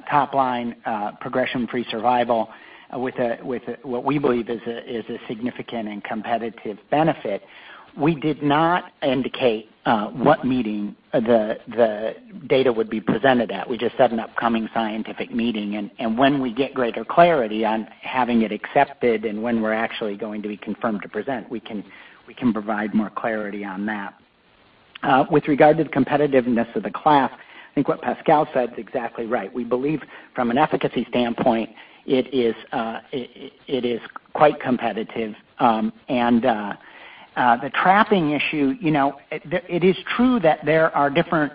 Speaker 4: top line progression-free survival with what we believe is a significant and competitive benefit. We did not indicate what meeting the data would be presented at. We just said an upcoming scientific meeting, and when we get greater clarity on having it accepted and when we're actually going to be confirmed to present, we can provide more clarity on that. With regard to the competitiveness of the class, I think what Pascal said is exactly right. We believe from an efficacy standpoint, it is quite competitive. The trapping issue, it is true that there are different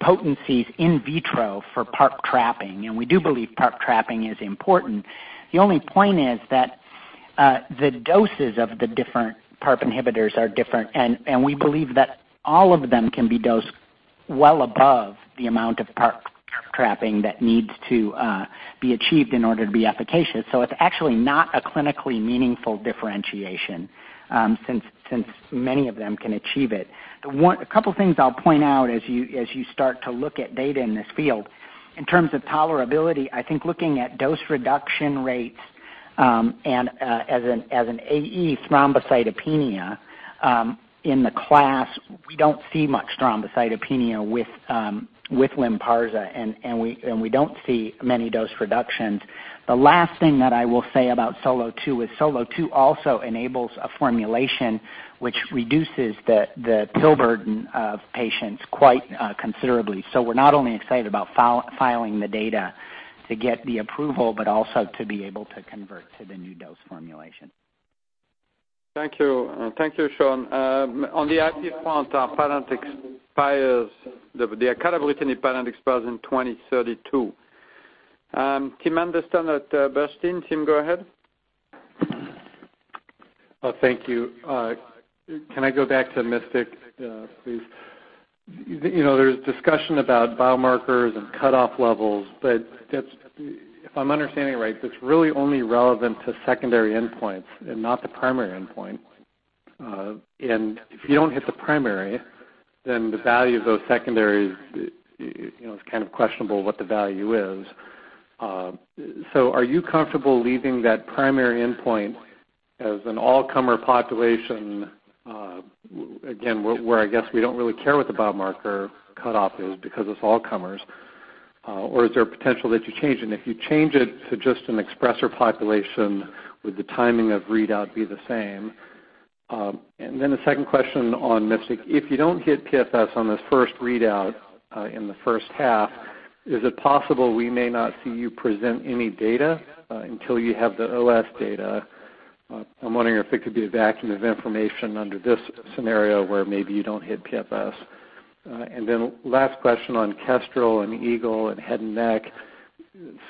Speaker 4: potencies in vitro for PARP trapping, and we do believe PARP trapping is important. The only point is that the doses of the different PARP inhibitors are different, and we believe that all of them can be dosed well above the amount of PARP trapping that needs to be achieved in order to be efficacious. It's actually not a clinically meaningful differentiation since many of them can achieve it. A couple of things I'll point out as you start to look at data in this field. In terms of tolerability, I think looking at dose reduction rates and as an AE thrombocytopenia in the class, we don't see much thrombocytopenia with LYNPARZA, and we don't see many dose reductions. The last thing that I will say about SOLO2 is SOLO2 also enables a formulation which reduces the pill burden of patients quite considerably. We're not only excited about filing the data to get the approval, but also to be able to convert to the new dose formulation.
Speaker 1: Thank you, Sean. On the IP front, our patent expires, the acalabrutinib patent expires in 2032. Tim Anderson at Bernstein. Tim, go ahead.
Speaker 9: Thank you. Can I go back to MYSTIC, please? There's discussion about biomarkers and cutoff levels, but if I'm understanding right, that's really only relevant to secondary endpoints and not the primary endpoint. If you don't hit the primary, then the value of those secondaries, it's kind of questionable what the value is. Are you comfortable leaving that primary endpoint as an all-comer population, again, where I guess we don't really care what the biomarker cutoff is because it's all comers, or is there potential that you change it? If you change it to just an expressor population, would the timing of readout be the same? The second question on MYSTIC. If you don't hit PFS on this first readout in the first half, is it possible we may not see you present any data until you have the OS data? I'm wondering if it could be a vacuum of information under this scenario where maybe you don't hit PFS. Last question on KESTREL and EAGLE and head and neck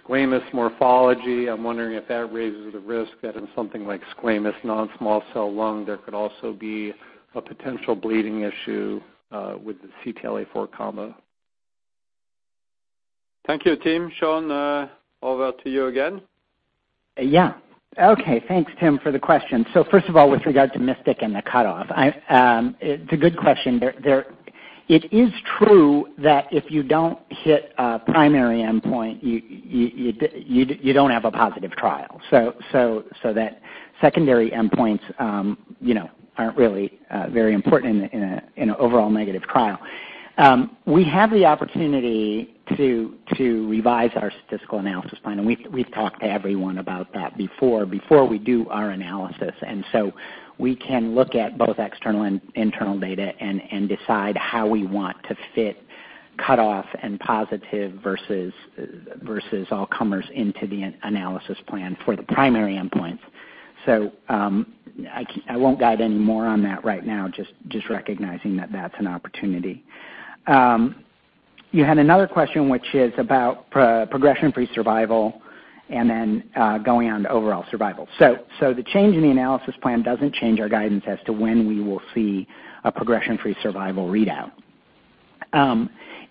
Speaker 9: squamous morphology. I'm wondering if that raises the risk that in something like squamous non-small cell lung, there could also be a potential bleeding issue with the CTLA-4 combo.
Speaker 1: Thank you, Tim. Sean, over to you again.
Speaker 4: Yeah. Okay. Thanks, Tim, for the question. First of all, with regard to MYSTIC and the cutoff, it's a good question. It is true that if you don't hit a primary endpoint, you don't have a positive trial. That secondary endpoints aren't really very important in an overall negative trial. We have the opportunity to revise our statistical analysis plan, we've talked to everyone about that before we do our analysis. We can look at both external and internal data and decide how we want to fit cutoff and positive versus all comers into the analysis plan for the primary endpoints. I won't guide any more on that right now, just recognizing that that's an opportunity. You had another question which is about progression-free survival then going on to overall survival. The change in the analysis plan doesn't change our guidance as to when we will see a progression-free survival readout.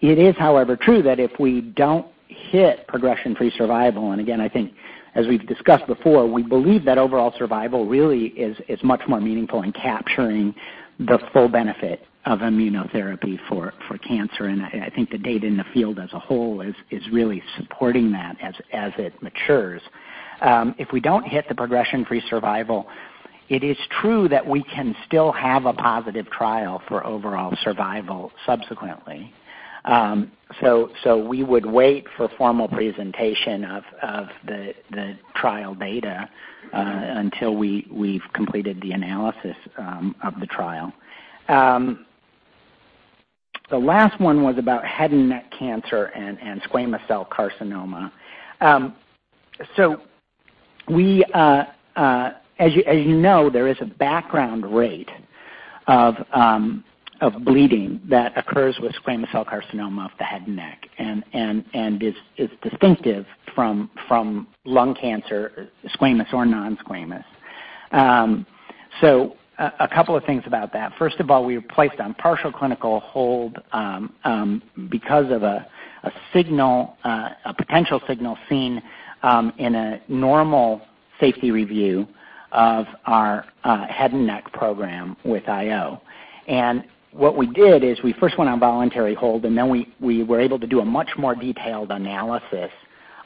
Speaker 4: It is, however, true that if we don't hit progression-free survival, again, I think as we've discussed before, we believe that overall survival really is much more meaningful in capturing the full benefit of immunotherapy for cancer. I think the data in the field as a whole is really supporting that as it matures. If we don't hit the progression-free survival, it is true that we can still have a positive trial for overall survival subsequently. We would wait for formal presentation of the trial data until we've completed the analysis of the trial. The last one was about head and neck cancer and squamous cell carcinoma. As you know, there is a background rate of bleeding that occurs with squamous cell carcinoma of the head and neck and is distinctive from lung cancer, squamous or non-squamous. A couple of things about that. First of all, we were placed on partial clinical hold because of a potential signal seen in a normal safety review of our head and neck program with IO. What we did is we first went on voluntary hold, then we were able to do a much more detailed analysis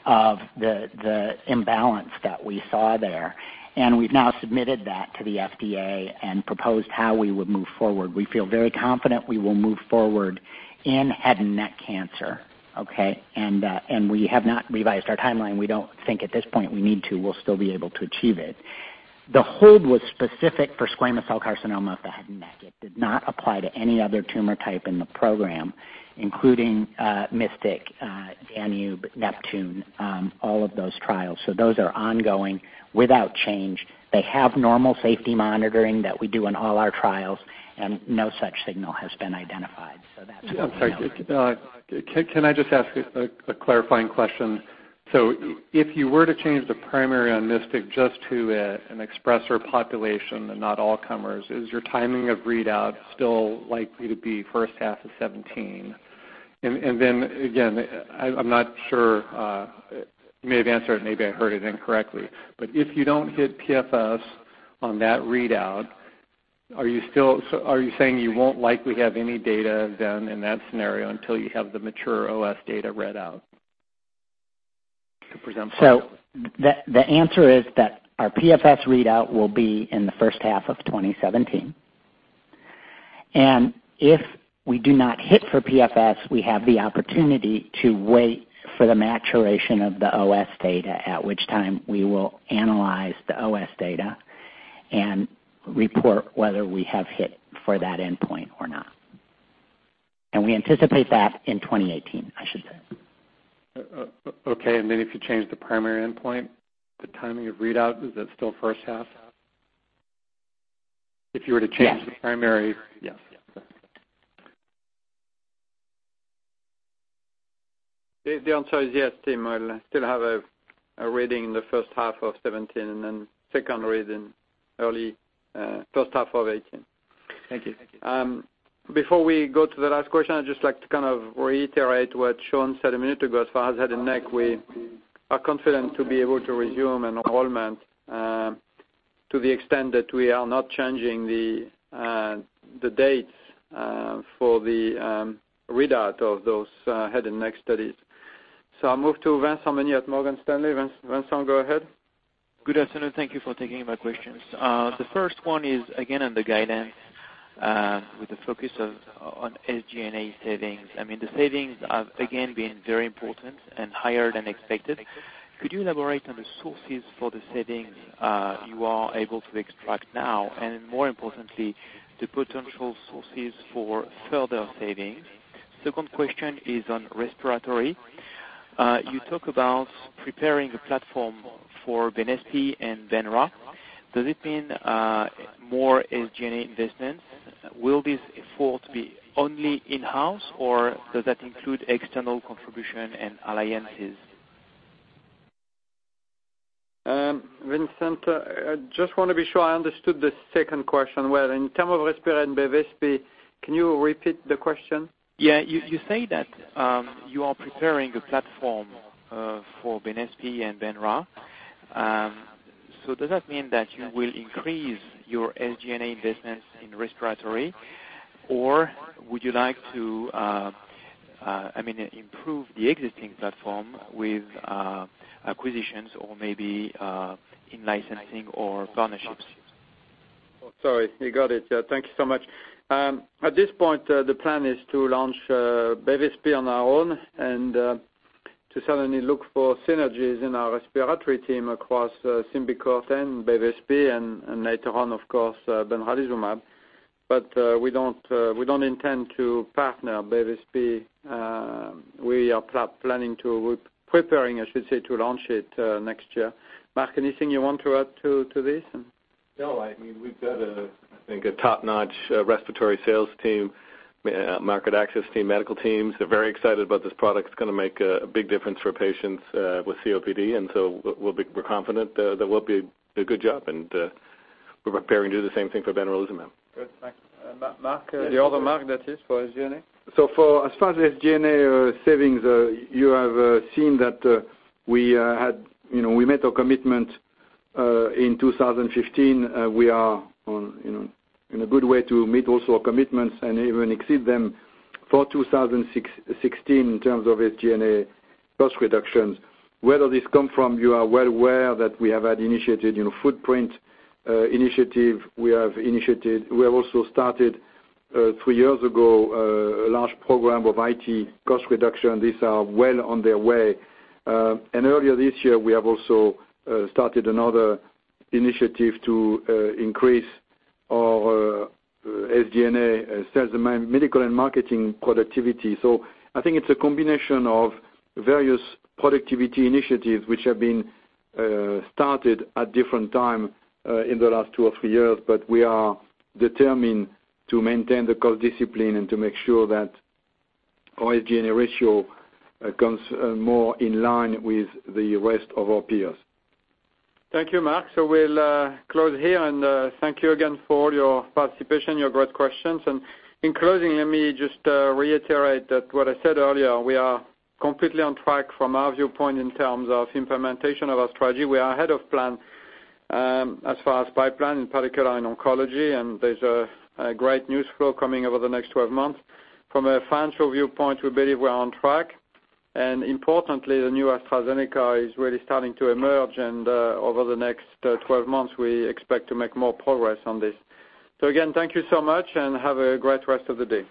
Speaker 4: of the imbalance that we saw there. We've now submitted that to the FDA and proposed how we would move forward. We feel very confident we will move forward in head and neck cancer. Okay? We have not revised our timeline. We don't think at this point we need to. We'll still be able to achieve it. The hold was specific for squamous cell carcinoma of the head and neck. It did not apply to any other tumor type in the program, including MYSTIC, DANUBE, NEPTUNE, all of those trials. Those are ongoing without change. They have normal safety monitoring that we do on all our trials, and no such signal has been identified. That's what we know.
Speaker 9: I'm sorry. Can I just ask a clarifying question? If you were to change the primary on MYSTIC just to an expressor population and not all comers, is your timing of readout still likely to be first half of 2017? Again, I'm not sure. You may have answered it and maybe I heard it incorrectly, but if you don't hit PFS on that readout, are you saying you won't likely have any data then in that scenario until you have the mature OS data read out to present?
Speaker 4: The answer is that our PFS readout will be in the first half of 2017. If we do not hit for PFS, we have the opportunity to wait for the maturation of the OS data, at which time we will analyze the OS data and report whether we have hit for that endpoint or not. We anticipate that in 2018, I should say.
Speaker 9: Okay. If you change the primary endpoint, the timing of readout, is that still first half?
Speaker 4: Yes
Speaker 9: the primary? Yes.
Speaker 1: The answer is yes, Tim. We'll still have a reading in the first half of 2017 and then second read in early first half of 2018.
Speaker 9: Thank you.
Speaker 1: Before we go to the last question, I'd just like to reiterate what Sean said a minute ago. As far as head and neck, we are confident to be able to resume enrollment, to the extent that we are not changing the dates for the readout of those head and neck studies. I'll move to Vincent Meunier at Morgan Stanley. Vincent, go ahead.
Speaker 10: Good afternoon. Thank you for taking my questions. The first one is again on the guidance, with the focus on SG&A savings. I mean, the savings have again been very important and higher than expected. Could you elaborate on the sources for the savings you are able to extract now, and more importantly, the potential sources for further savings? Second question is on respiratory. You talk about preparing a platform for Bevespi and benra. Does it mean more SG&A investments? Will this effort be only in-house, or does that include external contribution and alliances?
Speaker 1: Vincent, I just want to be sure I understood the second question well. In terms of respiratory and Bevespi, can you repeat the question?
Speaker 10: Yeah. Does that mean that you will increase your SG&A investments in respiratory, or would you like to improve the existing platform with acquisitions or maybe in-licensing or partnerships?
Speaker 1: Oh, sorry. You got it. Thank you so much. At this point, the plan is to launch Bevespi on our own and to certainly look for synergies in our respiratory team across SYMBICORT and Bevespi and later on, of course, benralizumab. We don't intend to partner Bevespi. We are preparing, I should say, to launch it next year. Marc, anything you want to add to this?
Speaker 2: No. We've got I think a top-notch respiratory sales team, market access team, medical teams. They're very excited about this product. It's going to make a big difference for patients with COPD, we're confident that we'll do a good job, and we're preparing to do the same thing for benralizumab.
Speaker 1: Good. Thanks. Marc? The other Marc, that is, for SG&A.
Speaker 3: As far as SG&A savings, you have seen that we met our commitment in 2015. We are in a good way to meet also our commitments and even exceed them for 2016 in terms of SG&A cost reductions. Where does this come from? You are well aware that we have initiated footprint initiative. We have also started, three years ago, a large program of IT cost reduction. These are well on their way. Earlier this year, we have also started another initiative to increase our SG&A sales, medical, and marketing productivity. I think it's a combination of various productivity initiatives, which have been started at different time in the last two or three years. We are determined to maintain the cost discipline and to make sure that our SG&A ratio comes more in line with the rest of our peers.
Speaker 1: Thank you, Marc. We'll close here, and thank you again for your participation, your great questions. In closing, let me just reiterate what I said earlier. We are completely on track from our viewpoint in terms of implementation of our strategy. We are ahead of plan as far as pipeline, in particular in oncology, and there's a great news flow coming over the next 12 months. From a financial viewpoint, we believe we are on track, and importantly, the new AstraZeneca is really starting to emerge and over the next 12 months, we expect to make more progress on this. Again, thank you so much, and have a great rest of the day